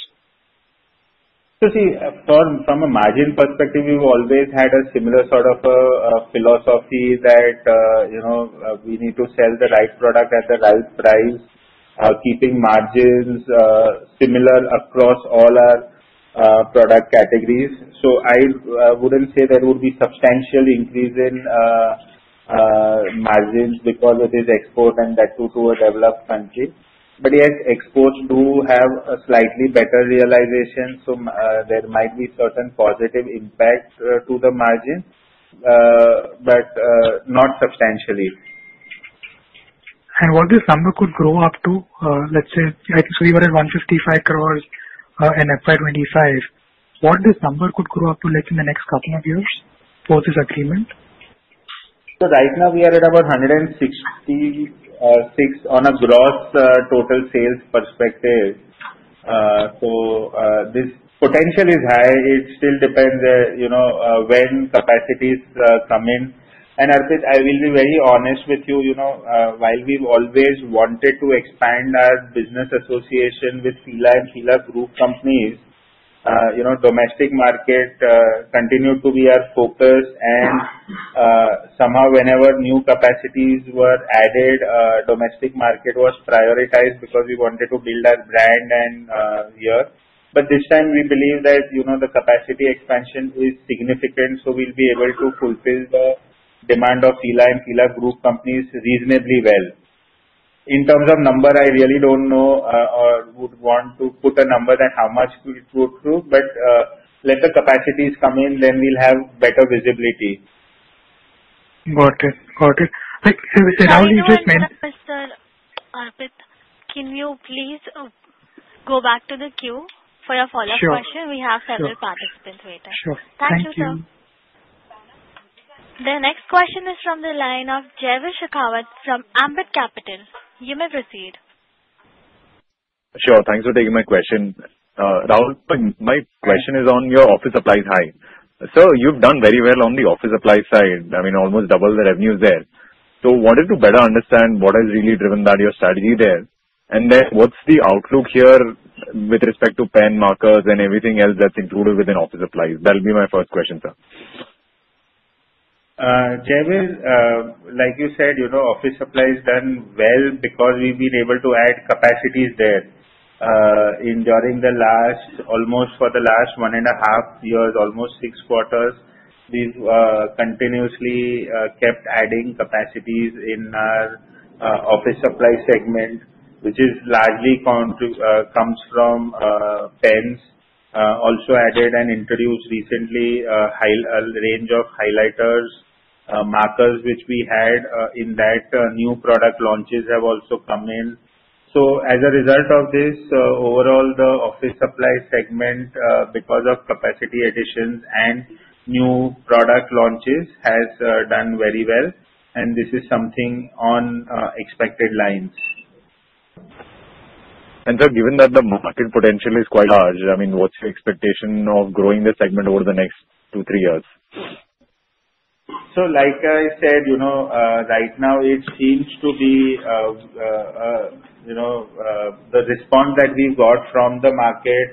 See, from a margin perspective, we've always had a similar sort of a philosophy that we need to sell the right product at the right price, keeping margins similar across all our product categories. I wouldn't say there would be substantial increase in margins because it is export and that to a developed country. Yes, exports do have a slightly better realization. There might be certain positive impact to the margins, but not substantially. What this number could grow up to? Let's say, we were at 155 crores in FY2025. What this number could grow up to in the next couple of years for this agreement? Right now, we are at about 166 on a gross total sales perspective. This potential is high. It still depends when capacities come in. Arpit, I will be very honest with you. While we've always wanted to expand our business association with FILA and FILA group companies, domestic market continued to be our focus. Somehow, whenever new capacities were added, domestic market was prioritized because we wanted to build our brand here. This time, we believe that the capacity expansion is significant. We will be able to fulfill the demand of FILA and FILA group companies reasonably well. In terms of number, I really don't know or would want to put a number that how much could it go through. Let the capacities come in, then we'll have better visibility. Got it. Got it. Now, you just. Mr. Arpit, can you please go back to the queue for a follow-up question? Sure. We have several participants waiting. Sure. Thank you. Thank you. The next question is from the line of Jaiveer Shekhawat from Ambit Capital. You may proceed. Sure. Thanks for taking my question. Rahul, my question is on your office supplies side. Sir, you've done very well on the office supplies side. I mean, almost double the revenues there. I wanted to better understand what has really driven your strategy there. What is the outlook here with respect to pen markers and everything else that's included within office supplies? That'll be my first question, sir. Jaiveer, like you said, office supplies done well because we've been able to add capacities there. During the last almost for the last one and a half years, almost six quarters, we've continuously kept adding capacities in our office supply segment, which largely comes from pens. Also added and introduced recently a range of highlighters, markers which we had in that new product launches have also come in. As a result of this, overall, the office supply segment, because of capacity additions and new product launches, has done very well. This is something on expected lines. Sir, given that the market potential is quite large, I mean, what's your expectation of growing the segment over the next two, three years? Like I said, right now, it seems to be the response that we've got from the market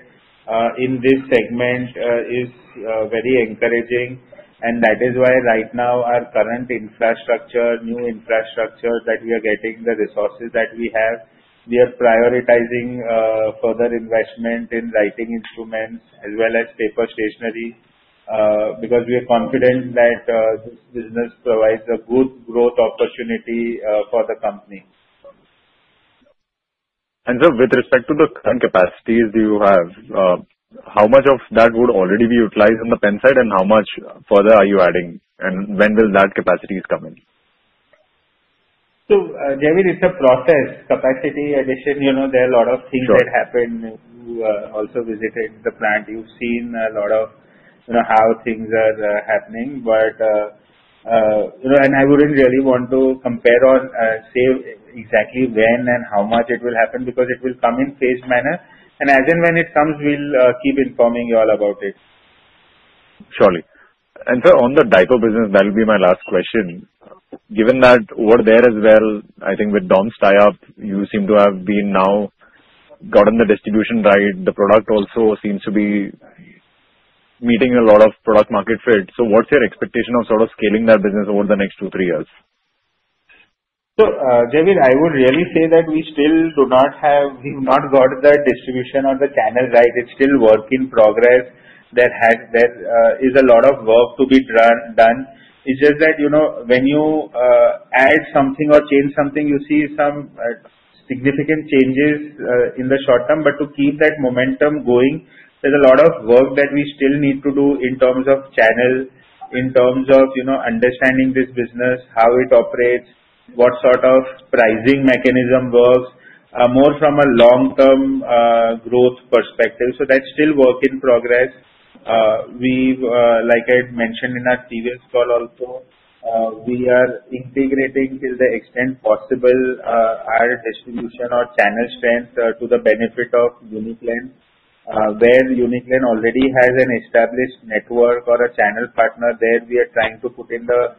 in this segment is very encouraging. That is why right now, our current infrastructure, new infrastructure that we are getting, the resources that we have, we are prioritizing further investment in writing instruments as well as paper stationery because we are confident that this business provides a good growth opportunity for the company. Sir, with respect to the current capacities you have, how much of that would already be utilized on the pen side and how much further are you adding? When will that capacity come in? Jaiveer, it's a process. Capacity addition, there are a lot of things that happen. You also visited the plant. You've seen a lot of how things are happening. I wouldn't really want to compare or say exactly when and how much it will happen because it will come in phased manner. As and when it comes, we'll keep informing you all about it. Surely. And sir, on the diaper business, that'll be my last question. Given that you were there as well, I think with DOMS tie-up, you seem to have now gotten the distribution right. The product also seems to be meeting a lot of product-market fit. What's your expectation of sort of scaling that business over the next two, three years? Jaiveer, I would really say that we still do not have, we've not got the distribution or the channel right. It's still a work in progress. There is a lot of work to be done. It's just that when you add something or change something, you see some significant changes in the short term. To keep that momentum going, there's a lot of work that we still need to do in terms of channel, in terms of understanding this business, how it operates, what sort of pricing mechanism works, more from a long-term growth perspective. That's still a work in progress. Like I mentioned in our previous call also, we are integrating to the extent possible our distribution or channel strength to the benefit of Uniclan, where Uniclan already has an established network or a channel partner. There we are trying to put in the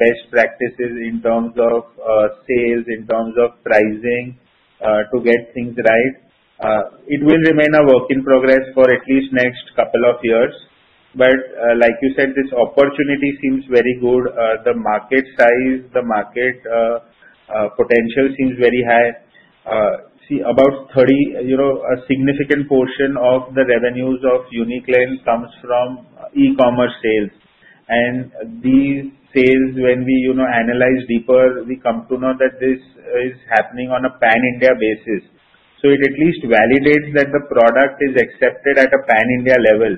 best practices in terms of sales, in terms of pricing to get things right. It will remain a work in progress for at least the next couple of years. Like you said, this opportunity seems very good. The market size, the market potential seems very high. See, about 30, a significant portion of the revenues of Uniclan comes from e-commerce sales. These sales, when we analyze deeper, we come to know that this is happening on a pan-India basis. It at least validates that the product is accepted at a pan-India level.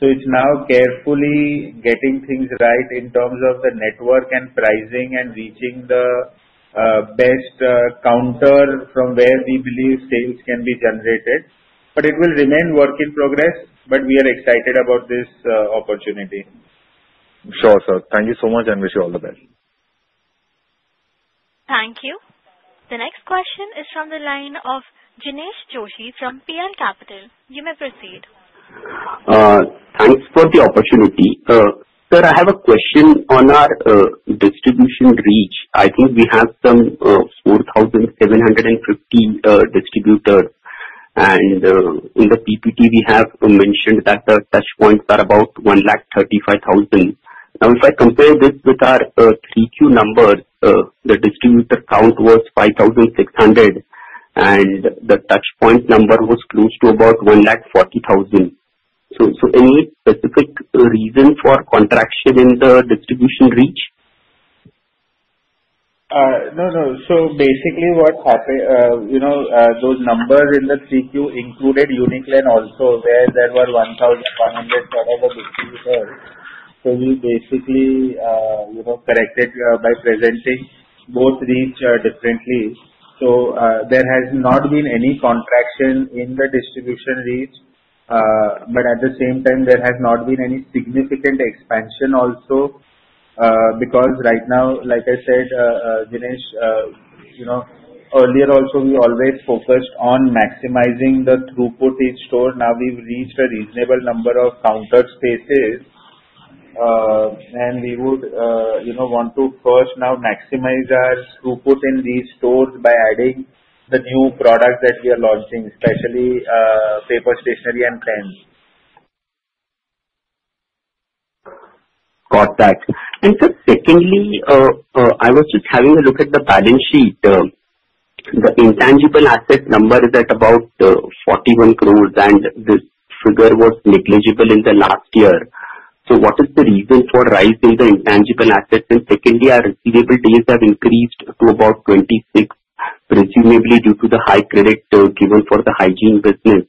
It is now carefully getting things right in terms of the network and pricing and reaching the best counter from where we believe sales can be generated. It will remain a work in progress, but we are excited about this opportunity. Sure, sir. Thank you so much and wish you all the best. Thank you. The next question is from the line of Jinesh Joshi from PL Capital. You may proceed. Thanks for the opportunity. Sir, I have a question on our distribution reach. I think we have some 4,750 distributors. In the PPT, we have mentioned that the touch points are about 135,000. Now, if I compare this with our 3Q number, the distributor count was 5,600 and the touch point number was close to about 140,000. Any specific reason for contraction in the distribution reach? No, no. So basically, what happened, those numbers in the 3Q included Uniclan also, where there were 1,100 sort of distributors. We basically corrected by presenting both reach differently. There has not been any contraction in the distribution reach. At the same time, there has not been any significant expansion also because right now, like I said, Jinesh, earlier also, we always focused on maximizing the throughput in stores. Now we have reached a reasonable number of counter spaces. We would want to first now maximize our throughput in these stores by adding the new products that we are launching, especially paper stationery and pens. Got that. Sir, secondly, I was just having a look at the balance sheet. The intangible asset number is at about 41 crores, and this figure was negligible in the last year. What is the reason for the rise in intangible assets? Secondly, our receivable days have increased to about 26, presumably due to the high credit given for the hygiene business.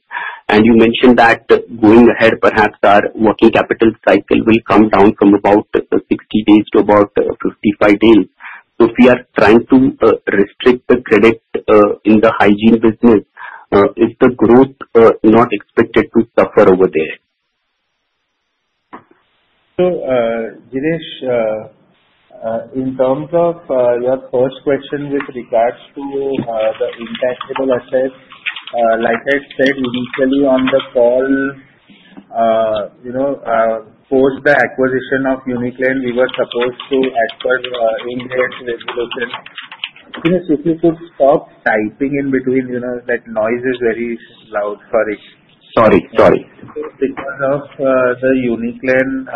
You mentioned that going ahead, perhaps our working capital cycle will come down from about 60 days to about 55 days. If we are trying to restrict the credit in the hygiene business, is the growth not expected to suffer over there? Jinesh, in terms of your first question with regards to the intangible assets, like I said initially on the call, post the acquisition of Uniclan, we were supposed to act on in-grade regulation. Jinesh, if you could stop typing in between, that noise is very loud. Sorry. Sorry. Sorry. Because of the Uniclan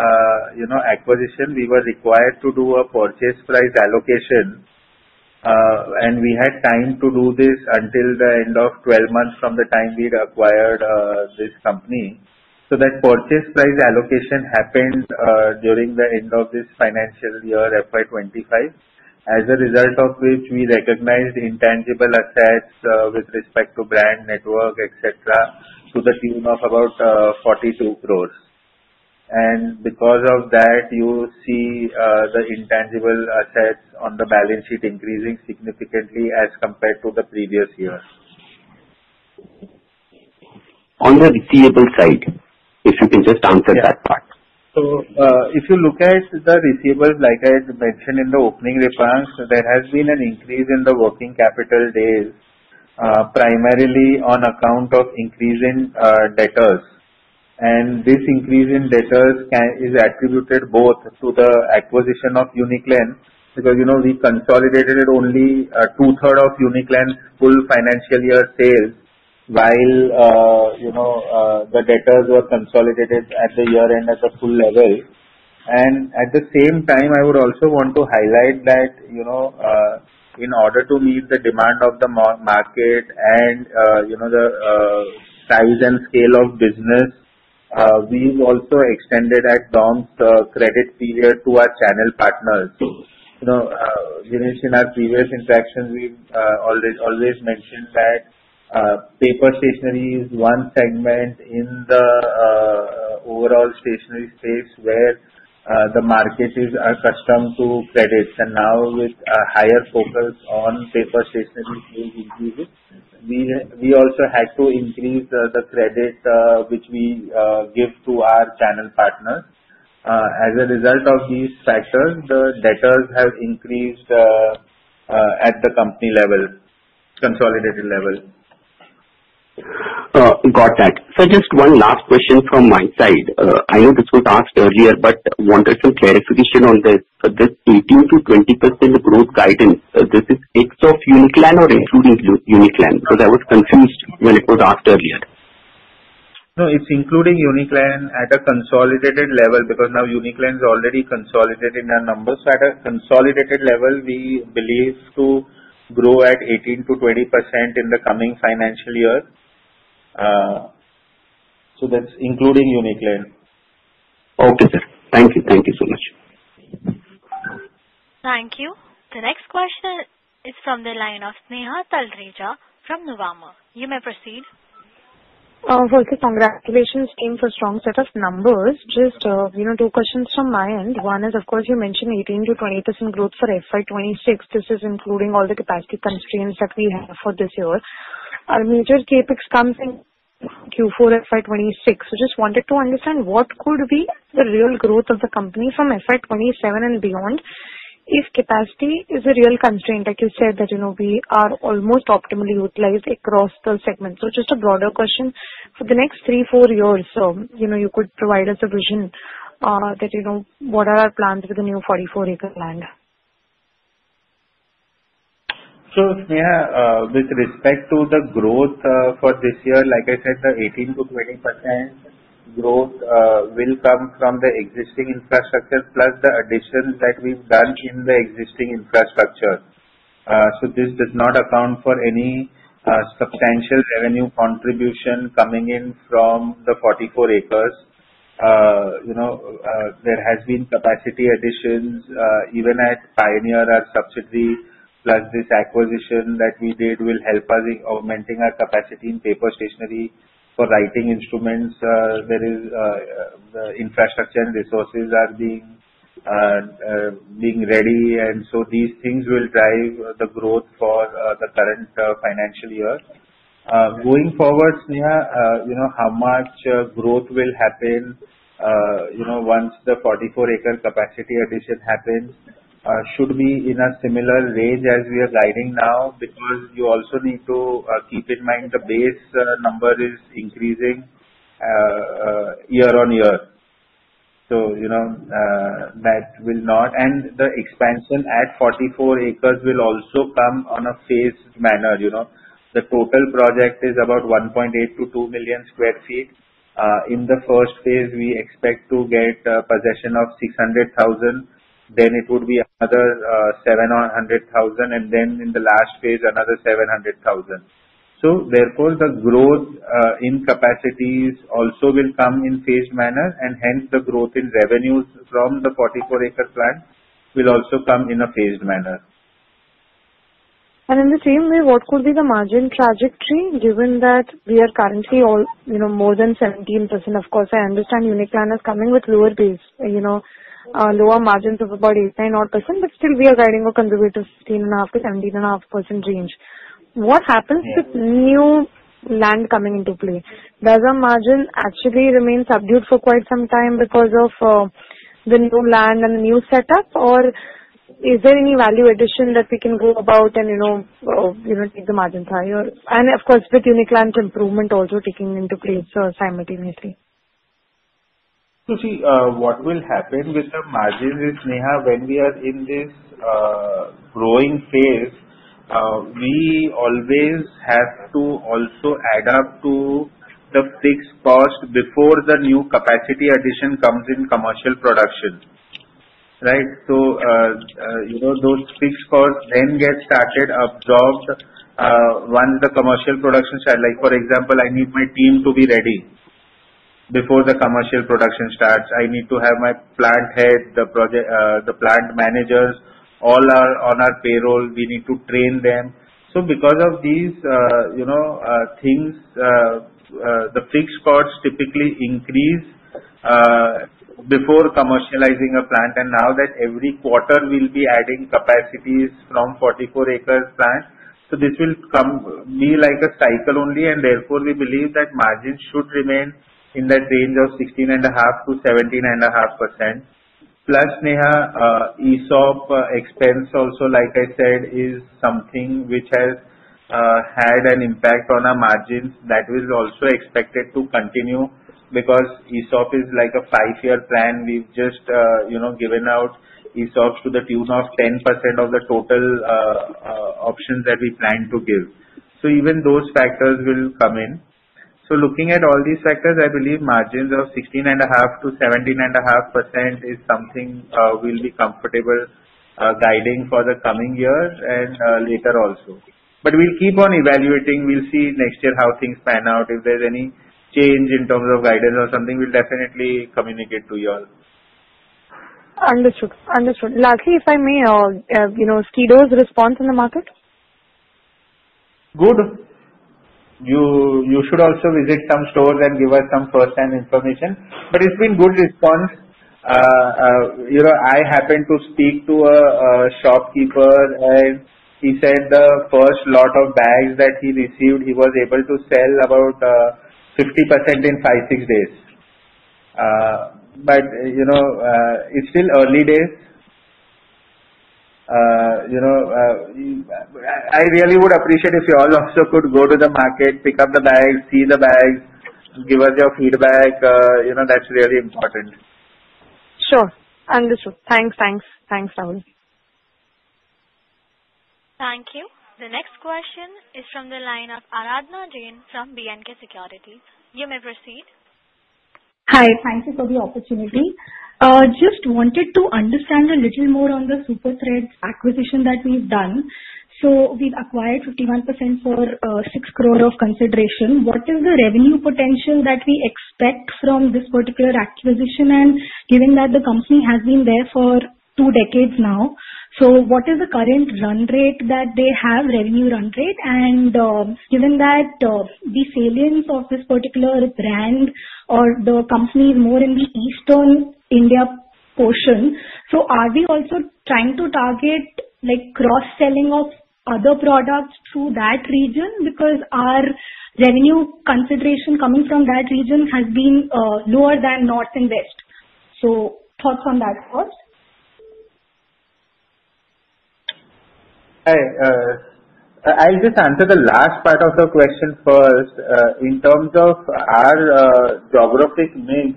acquisition, we were required to do a purchase price allocation. We had time to do this until the end of 12 months from the time we acquired this company. That purchase price allocation happened during the end of this financial year, FY2025, as a result of which we recognized intangible assets with respect to brand network, etc., to the tune of about 42 crores. Because of that, you see the intangible assets on the balance sheet increasing significantly as compared to the previous year. On the receivable side, if you can just answer that part. If you look at the receivables, like I had mentioned in the opening response, there has been an increase in the working capital days, primarily on account of increase in debtors. This increase in debtors is attributed both to the acquisition of Uniclan because we consolidated only two-thirds of Uniclan's full financial year sales, while the debtors were consolidated at the year-end at the full level. At the same time, I would also want to highlight that in order to meet the demand of the market and the size and scale of business, we've also extended DOMS credit period to our channel partners. Jinesh, in our previous interactions, we've always mentioned that paper stationery is one segment in the overall stationery space where the market is accustomed to credits. Now, with a higher focus on paper stationery increases, we also had to increase the credit which we give to our channel partners. As a result of these factors, the debtors have increased at the company level, consolidated level. Got that. Sir, just one last question from my side. I know this was asked earlier, but I wanted some clarification on this. This 18%-20% growth guidance, this is ex of Uniclan or including Uniclan? Because I was confused when it was asked earlier. No, it's including Uniclan at a consolidated level because now Uniclan is already consolidated in our numbers. At a consolidated level, we believe to grow at 18%-20% in the coming financial year. That's including Uniclan. Okay, sir. Thank you. Thank you so much. Thank you. The next question is from the line of Sneha Talreja from Nuvama. You may proceed. Firstly, congratulations team for a strong set of numbers. Just two questions from my end. One is, of course, you mentioned 18%-20% growth for FY2026. This is including all the capacity constraints that we have for this year. Our major CapEx comes in Q4 FY2026. Just wanted to understand what could be the real growth of the company from FY2027 and beyond if capacity is a real constraint, like you said, that we are almost optimally utilized across the segment. Just a broader question for the next three, four years. You could provide us a vision that what are our plans with the new 44-acre land? With respect to the growth for this year, like I said, the 18%-20% growth will come from the existing infrastructure plus the additions that we've done in the existing infrastructure. This does not account for any substantial revenue contribution coming in from the 44 acres. There have been capacity additions even at Pioneer or subsidiary plus this acquisition that we did will help us in augmenting our capacity in paper stationery for writing instruments. The infrastructure and resources are being made ready. These things will drive the growth for the current financial year. Going forward, Sneha, how much growth will happen once the 44-acre capacity addition happens should be in a similar range as we are guiding now because you also need to keep in mind the base number is increasing year on year. That will not, and the expansion at 44 acres will also come in a phased manner. The total project is about 1.8 million to 2 million sq ft. In the first phase, we expect to get possession of 600,000 sq ft. Then it would be another 700,000 sq ft. In the last phase, another 700,000 sq ft. Therefore, the growth in capacities also will come in a phased manner. Hence, the growth in revenues from the 44-acre plant will also come in a phased manner. In the same way, what could be the margin trajectory given that we are currently more than 17%? Of course, I understand Uniclan is coming with lower base, lower margins of about 8%, 9%, or 10%, but still we are guiding a conservative 15.5%-17.5% range. What happens with new land coming into play? Does our margin actually remain subdued for quite some time because of the new land and the new setup? Is there any value addition that we can go about and make the margins higher? Of course, with Uniclan's improvement also taking into place simultaneously. See, what will happen with the margin is, Sneha, when we are in this growing phase, we always have to also add up to the fixed cost before the new capacity addition comes in commercial production. Right? Those fixed costs then get started, absorbed once the commercial production starts. For example, I need my team to be ready before the commercial production starts. I need to have my plant head, the plant managers, all are on our payroll. We need to train them. Because of these things, the fixed costs typically increase before commercializing a plant. Now that every quarter we'll be adding capacities from 44-acre plant, this will be like a cycle only. Therefore, we believe that margin should remain in that range of 16.5%-17.5%. Plus, Sneha, ESOP expense also, like I said, is something which has had an impact on our margins. That is also expected to continue because ESOP is like a five-year plan. We've just given out ESOPs to the tune of 10% of the total options that we plan to give. Even those factors will come in. Looking at all these factors, I believe margins of 16.5%-17.5% is something we'll be comfortable guiding for the coming year and later also. We'll keep on evaluating. We'll see next year how things pan out. If there's any change in terms of guidance or something, we'll definitely communicate to you all. Understood. Understood. Lastly, if I may, SKIDO's response in the market? Good. You should also visit some stores and give us some first-hand information. It has been good response. I happened to speak to a shopkeeper, and he said the first lot of bags that he received, he was able to sell about 50% in five, six days. It is still early days. I really would appreciate if you all also could go to the market, pick up the bags, see the bags, give us your feedback. That is really important. Sure. Understood. Thanks, Rahul. Thank you. The next question is from the line of Aradhana Jain from B&K Securities. You may proceed. Hi. Thank you for the opportunity. Just wanted to understand a little more on the Super Treads acquisition that we've done. We've acquired 51% for 6 crores of consideration. What is the revenue potential that we expect from this particular acquisition? Given that the company has been there for two decades now, what is the current run rate that they have, revenue run rate? Given that the salience of this particular brand, or the company, is more in the Eastern India portion, are we also trying to target cross-selling of other products through that region? Our revenue consideration coming from that region has been lower than North and West. Thoughts on that, of course. Hi. I'll just answer the last part of the question first. In terms of our geographic mix,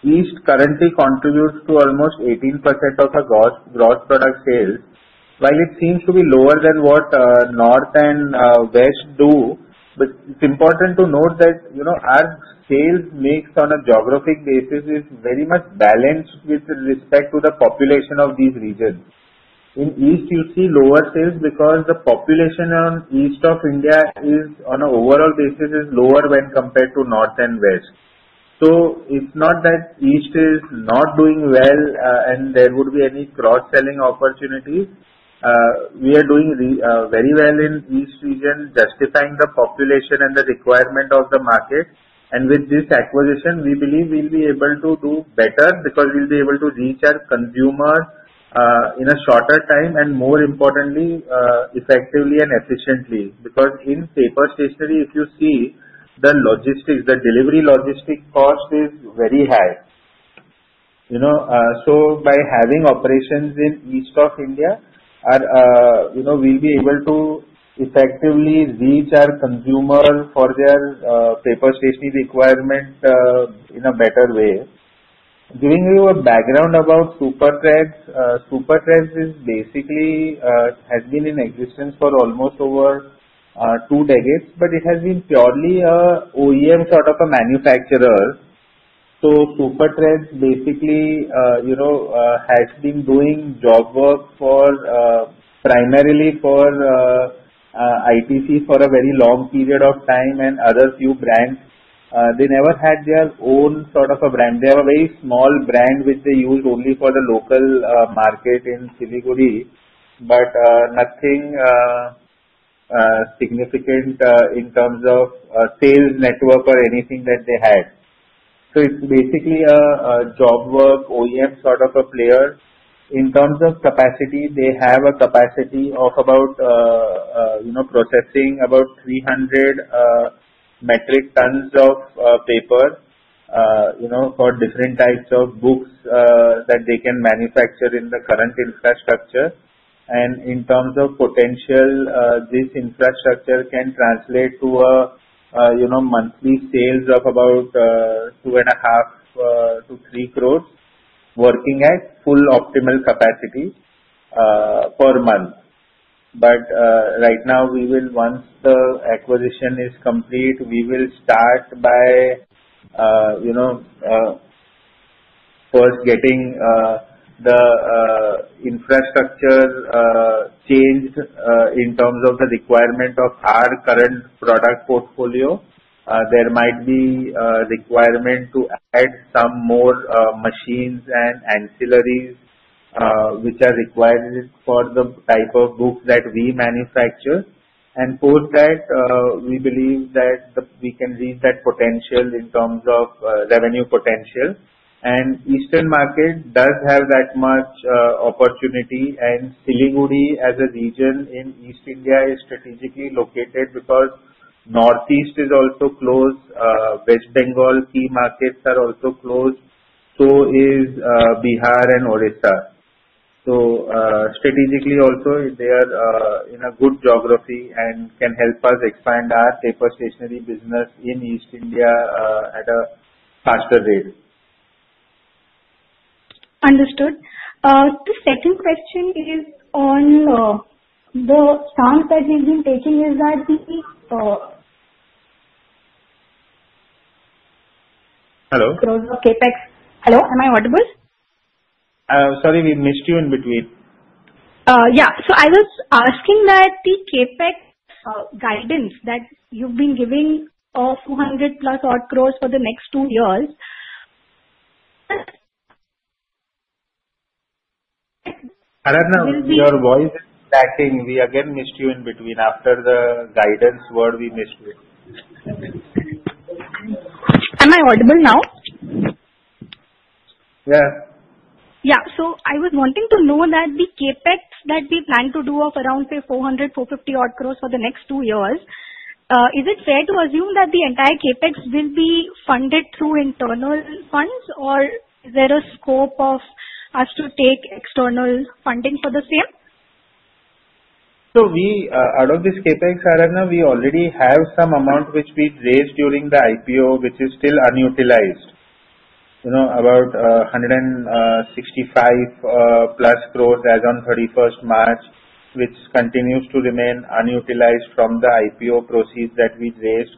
East currently contributes to almost 18% of our gross product sales, while it seems to be lower than what North and West do. It's important to note that our sales mix on a geographic basis is very much balanced with respect to the population of these regions. In East, you see lower sales because the population on East of India is, on an overall basis, lower when compared to North and West. It's not that East is not doing well and there would be any cross-selling opportunity. We are doing very well in East region, justifying the population and the requirement of the market. With this acquisition, we believe we'll be able to do better because we'll be able to reach our consumers in a shorter time and, more importantly, effectively and efficiently. In paper stationery, if you see the logistics, the delivery logistic cost is very high. By having operations in East of India, we'll be able to effectively reach our consumers for their paper stationery requirement in a better way. Giving you a background about Super Treads, Super Treads has been in existence for almost over two decades, but it has been purely an OEM sort of a manufacturer. Super Treads basically has been doing job work primarily for ITC for a very long period of time and other few brands. They never had their own sort of a brand. They have a very small brand which they used only for the local market in Siliguri, but nothing significant in terms of sales network or anything that they had. It is basically a job work OEM sort of a player. In terms of capacity, they have a capacity of processing about 300 metric tons of paper for different types of books that they can manufacture in the current infrastructure. In terms of potential, this infrastructure can translate to a monthly sales of about 2.5 crores-3 crores working at full optimal capacity per month. Right now, once the acquisition is complete, we will start by first getting the infrastructure changed in terms of the requirement of our current product portfolio. There might be a requirement to add some more machines and ancillaries which are required for the type of books that we manufacture. Post that, we believe that we can reach that potential in terms of revenue potential. Eastern market does have that much opportunity. Siliguri as a region in East India is strategically located because Northeast is also close. West Bengal key markets are also close. So are Bihar and Orissa. Strategically, they are in a good geography and can help us expand our paper stationery business in East India at a faster rate. Understood. The second question is on the sound that we've been taking is that the. Hello? Growth of CapEx. Hello. Am I audible? Sorry, we missed you in between. Yeah. I was asking that the CapEx guidance that you've been giving of 200 plus odd crores for the next two years. Aradhana, your voice is cracking. We again missed you in between. After the guidance word, we missed you. Am I audible now? Yeah. Yeah. So I was wanting to know that the CapEx that we plan to do of around, say, 400 crores-450 crores for the next two years, is it fair to assume that the entire CapEx will be funded through internal funds? Or is there a scope of us to take external funding for the same? Out of this CapEx, Aradhana, we already have some amount which we raised during the IPO, which is still unutilized, about 165 plus crores as on 31st March, which continues to remain unutilized from the IPO proceeds that we raised.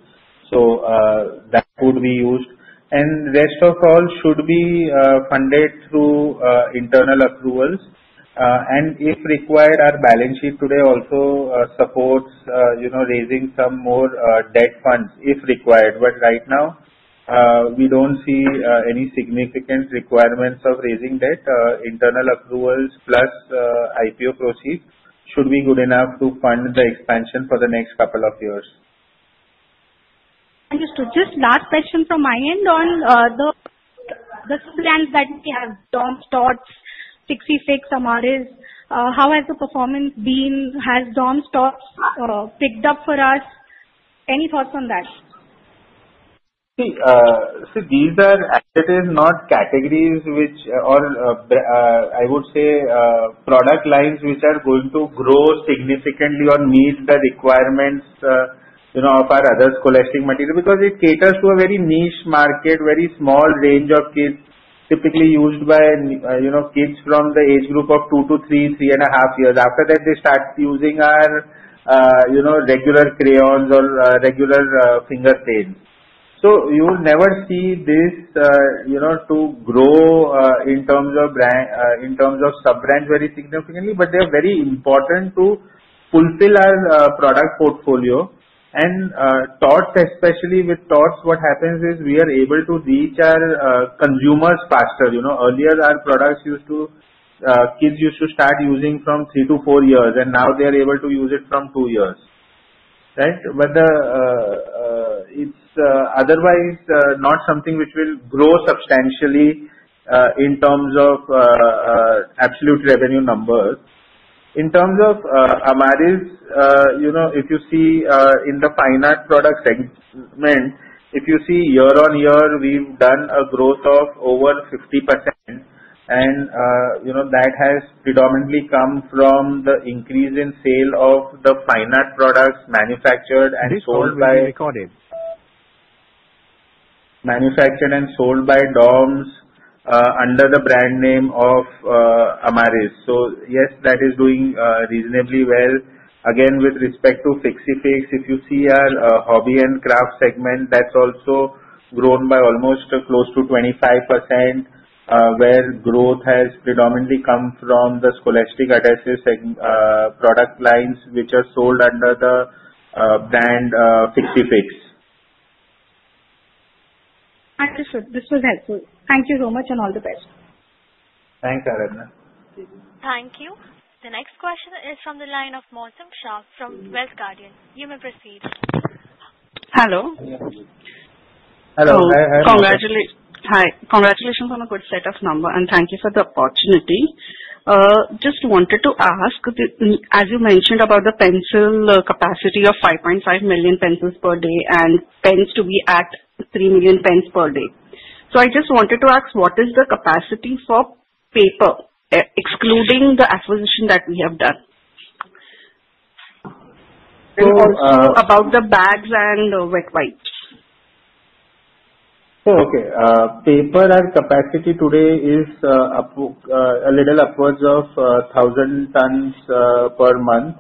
That would be used. The rest of all should be funded through internal approvals. If required, our balance sheet today also supports raising some more debt funds if required. Right now, we do not see any significant requirements of raising debt. Internal approvals plus IPO proceeds should be good enough to fund the expansion for the next couple of years. Understood. Just last question from my end on the plans that we have. DOMS TOTS, Fixy Fix Amariz. How has the performance been? Has DOMS TOTS picked up for us? Any thoughts on that? See, these are not categories which, or I would say product lines which are going to grow significantly or meet the requirements of our other scholastic material because it caters to a very niche market, very small range of kids, typically used by kids from the age group of two to three, three and a half years. After that, they start using our regular crayons or regular finger paint. You will never see this grow in terms of sub-brands very significantly. They are very important to fulfill our product portfolio. With TOTS, especially with TOTS, what happens is we are able to reach our consumers faster. Earlier, our products used to, kids used to start using from three to four years, and now they are able to use it from two years. Right? It is otherwise not something which will grow substantially in terms of absolute revenue numbers. In terms of Amariz, if you see in the finance product segment, if you see year on year, we've done a growth of over 50%. That has predominantly come from the increase in sale of the finance products manufactured and sold by. This recording is being recorded. Manufactured and sold by DOMS under the brand name of Amariz. Yes, that is doing reasonably well. Again, with respect to Fixiy Fix, if you see our Hobby and Craft segment, that has also grown by almost close to 25%, where growth has predominantly come from the scholastic additive product lines which are sold under the brand Fixiy Fix. Understood. This was helpful. Thank you so much and all the best. Thanks, Aradhana. Thank you. The next question is from the line of Mosam Shah from Wealth Guardian. You may proceed. Hello. Hello. Hi. Congratulations on a good set of numbers. Thank you for the opportunity. Just wanted to ask, as you mentioned about the pencil capacity of 5.5 million pencils per day and pens to be at 3 million pens per day. I just wanted to ask, what is the capacity for paper, excluding the acquisition that we have done? About the bags and wet wipes. Okay. Paper capacity today is a little upwards of 1,000 tons per month.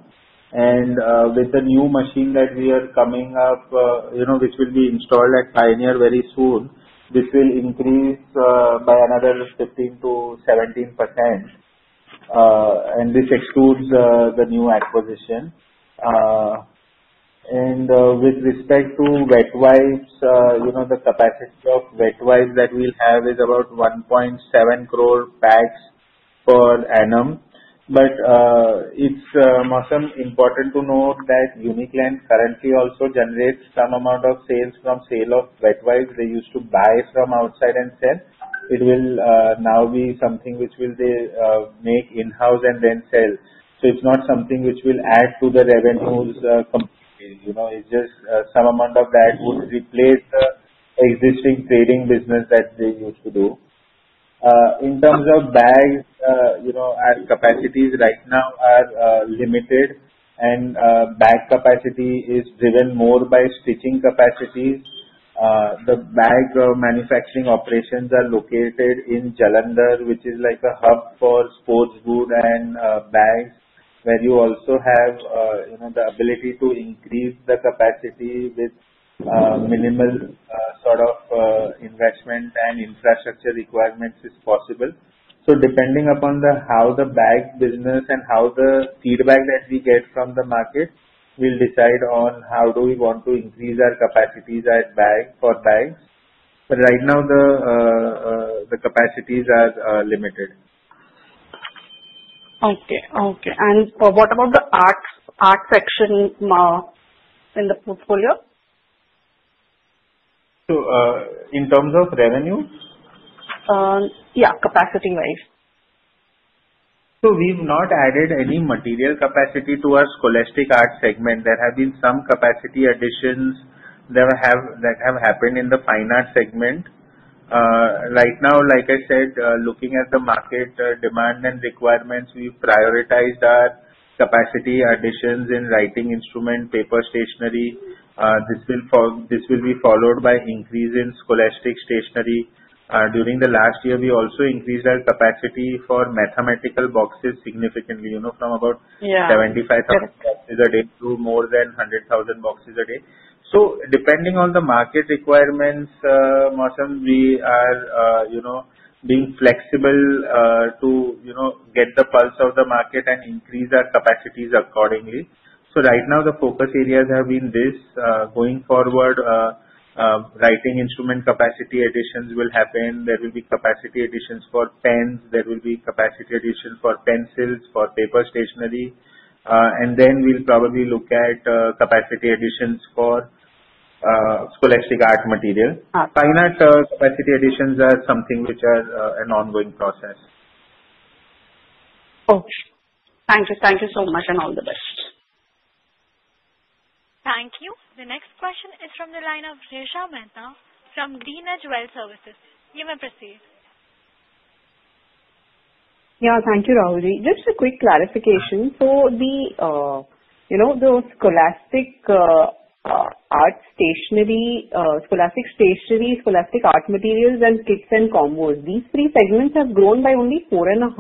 With the new machine that we are coming up, which will be installed at Pioneer very soon, this will increase by another 15%-17%. This excludes the new acquisition. With respect to wet wipes, the capacity of wet wipes that we'll have is about 1.7 crores bags per annum. But it's, Mosam, important to note that Uniclan currently also generates some amount of sales from sale of wet wipes. They used to buy from outside and sell. It will now be something which they make in-house and then sell. It's not something which will add to the revenues completely. It's just some amount of that would replace the existing trading business that they used to do. In terms of bags, our capacities right now are limited. Bag capacity is driven more by stitching capacities. The bag manufacturing operations are located in Jalandhar, which is like a hub for sports goods and bags, where you also have the ability to increase the capacity with minimal sort of investment and infrastructure requirements as possible. Depending upon how the bag business and how the feedback that we get from the market will decide on how do we want to increase our capacities for bags. Right now, the capacities are limited. Okay. Okay. What about the art section in the portfolio? In terms of revenue? Yeah, capacity-wise. We've not added any material capacity to our scholastic art segment. There have been some capacity additions that have happened in the finance segment. Right now, like I said, looking at the market demand and requirements, we've prioritized our capacity additions in writing instrument, paper stationery. This will be followed by increase in scholastic stationery. During the last year, we also increased our capacity for mathematical boxes significantly, from about 75,000 boxes a day to more than 100,000 boxes a day. Depending on the market requirements, Mosam, we are being flexible to get the pulse of the market and increase our capacities accordingly. Right now, the focus areas have been this. Going forward, writing instrument capacity additions will happen. There will be capacity additions for pens. There will be capacity additions for pencils, for paper stationery. We'll probably look at capacity additions for scholastic art material. Finance capacity additions are something which are an ongoing process. Okay. Thank you. Thank you so much and all the best. Thank you. The next question is from the line of Resha Mehta from GreenEdge Wealth Services. You may proceed. Yeah. Thank you, Ravi. Just a quick clarification. So those scholastic art stationery, scholastic stationery, scholastic art materials, and kits and combos, these three segments have grown by only 4.5%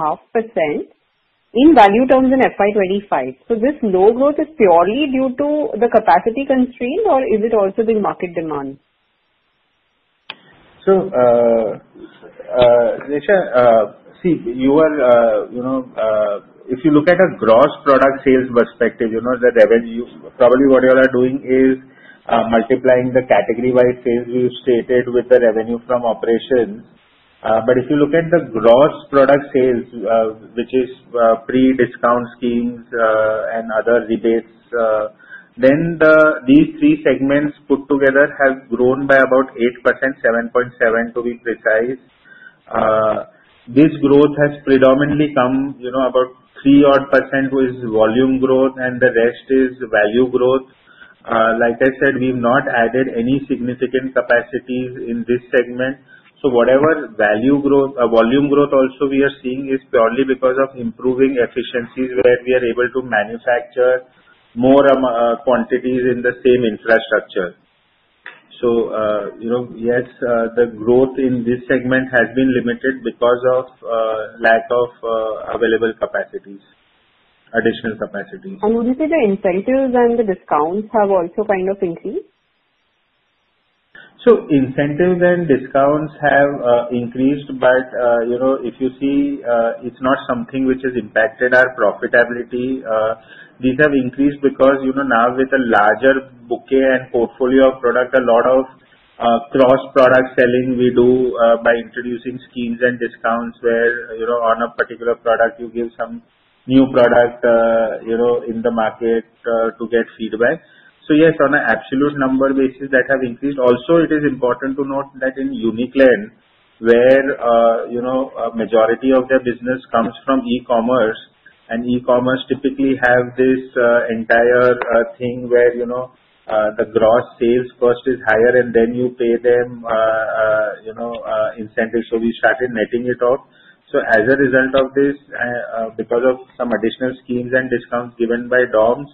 in value terms in FY2025. So this low growth is purely due to the capacity constraint, or is it also the market demand? Resha, see, if you look at a gross product sales perspective, the revenue, probably what you are doing is multiplying the category-wide sales we have stated with the revenue from operations. If you look at the gross product sales, which is pre-discount schemes and other rebates, then these three segments put together have grown by about 8%, 7.7% to be precise. This growth has predominantly come about 3% odd, which is volume growth, and the rest is value growth. Like I said, we have not added any significant capacities in this segment. Whatever volume growth also we are seeing is purely because of improving efficiencies where we are able to manufacture more quantities in the same infrastructure. Yes, the growth in this segment has been limited because of lack of available capacities, additional capacities. Would you say the incentives and the discounts have also kind of increased? Incentives and discounts have increased. If you see, it's not something which has impacted our profitability. These have increased because now with a larger bouquet and portfolio of product, a lot of cross product selling we do by introducing schemes and discounts where on a particular product, you give some new product in the market to get feedback. Yes, on an absolute number basis, that have increased. Also, it is important to note that in Uniclan, where a majority of their business comes from e-commerce, and e-commerce typically have this entire thing where the gross sales cost is higher, and then you pay them incentives. We started netting it out. As a result of this, because of some additional schemes and discounts given by DOMS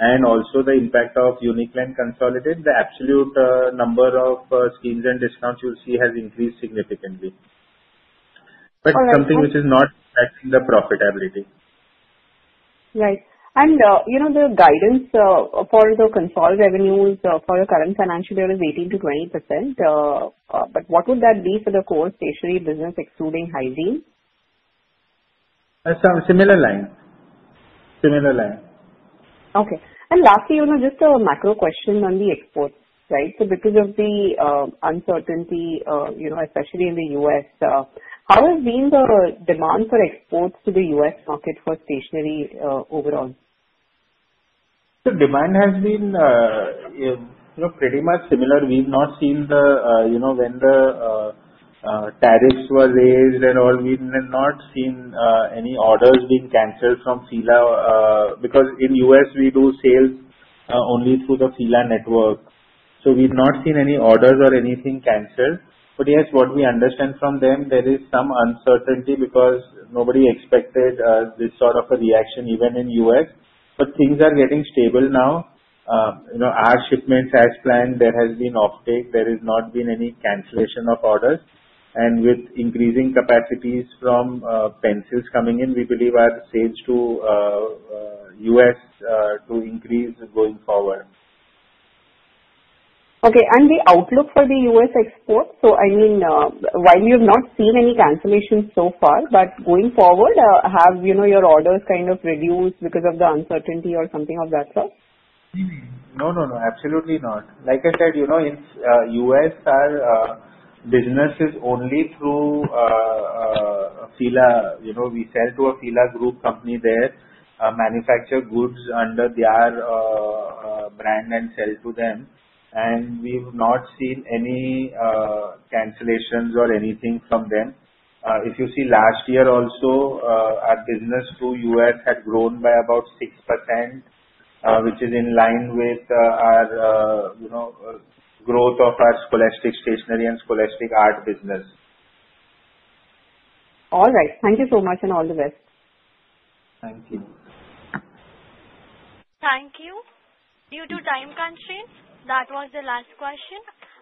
and also the impact of Uniclan consolidate, the absolute number of schemes and discounts you'll see has increased significantly. Something which is not impacting the profitability. Right. The guidance for the consolidated revenues for the current financial year is 18%-20%. What would that be for the core stationery business, excluding hygiene? Similar line. Similar line. Okay. Lastly, just a macro question on the exports, right? Because of the uncertainty, especially in the U.S., how has the demand for exports to the U.S. market for stationery overall? The demand has been pretty much similar. We've not seen when the tariffs were raised and all, we've not seen any orders being canceled from FILA because in the U.S., we do sales only through the FILA network. We've not seen any orders or anything canceled. Yes, what we understand from them, there is some uncertainty because nobody expected this sort of a reaction even in the U.S. Things are getting stable now. Our shipments as planned, there has been offtake. There has not been any cancellation of orders. With increasing capacities from pencils coming in, we believe our sales to U.S. to increase going forward. Okay. And the outlook for the U.S. exports? I mean, while you've not seen any cancellations so far, but going forward, have your orders kind of reduced because of the uncertainty or something of that sort? No, no, absolutely not. Like I said, in the U.S., our business is only through FILA. We sell to a FILA Group company there, manufacture goods under their brand and sell to them. We've not seen any cancellations or anything from them. If you see, last year also, our business to the U.S. had grown by about 6%, which is in line with our growth of our scholastic stationery and scholastic art business. All right. Thank you so much and all the best. Thank you. Thank you. Due to time constraints, that was the last question.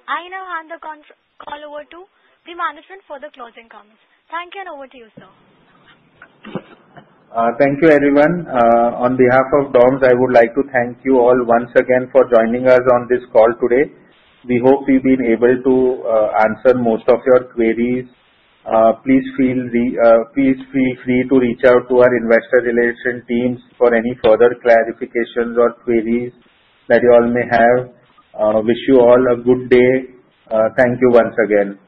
I now hand the call over to the management for the closing comments. Thank you and over to you, sir. Thank you, everyone. On behalf of DOMS, I would like to thank you all once again for joining us on this call today. We hope we've been able to answer most of your queries. Please feel free to reach out to our investor relation teams for any further clarifications or queries that you all may have. Wish you all a good day. Thank you once again.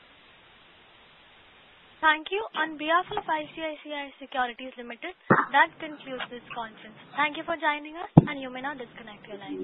Thank you. On behalf of ICICI Securities Limited, that concludes this conference. Thank you for joining us, and you may now disconnect your line.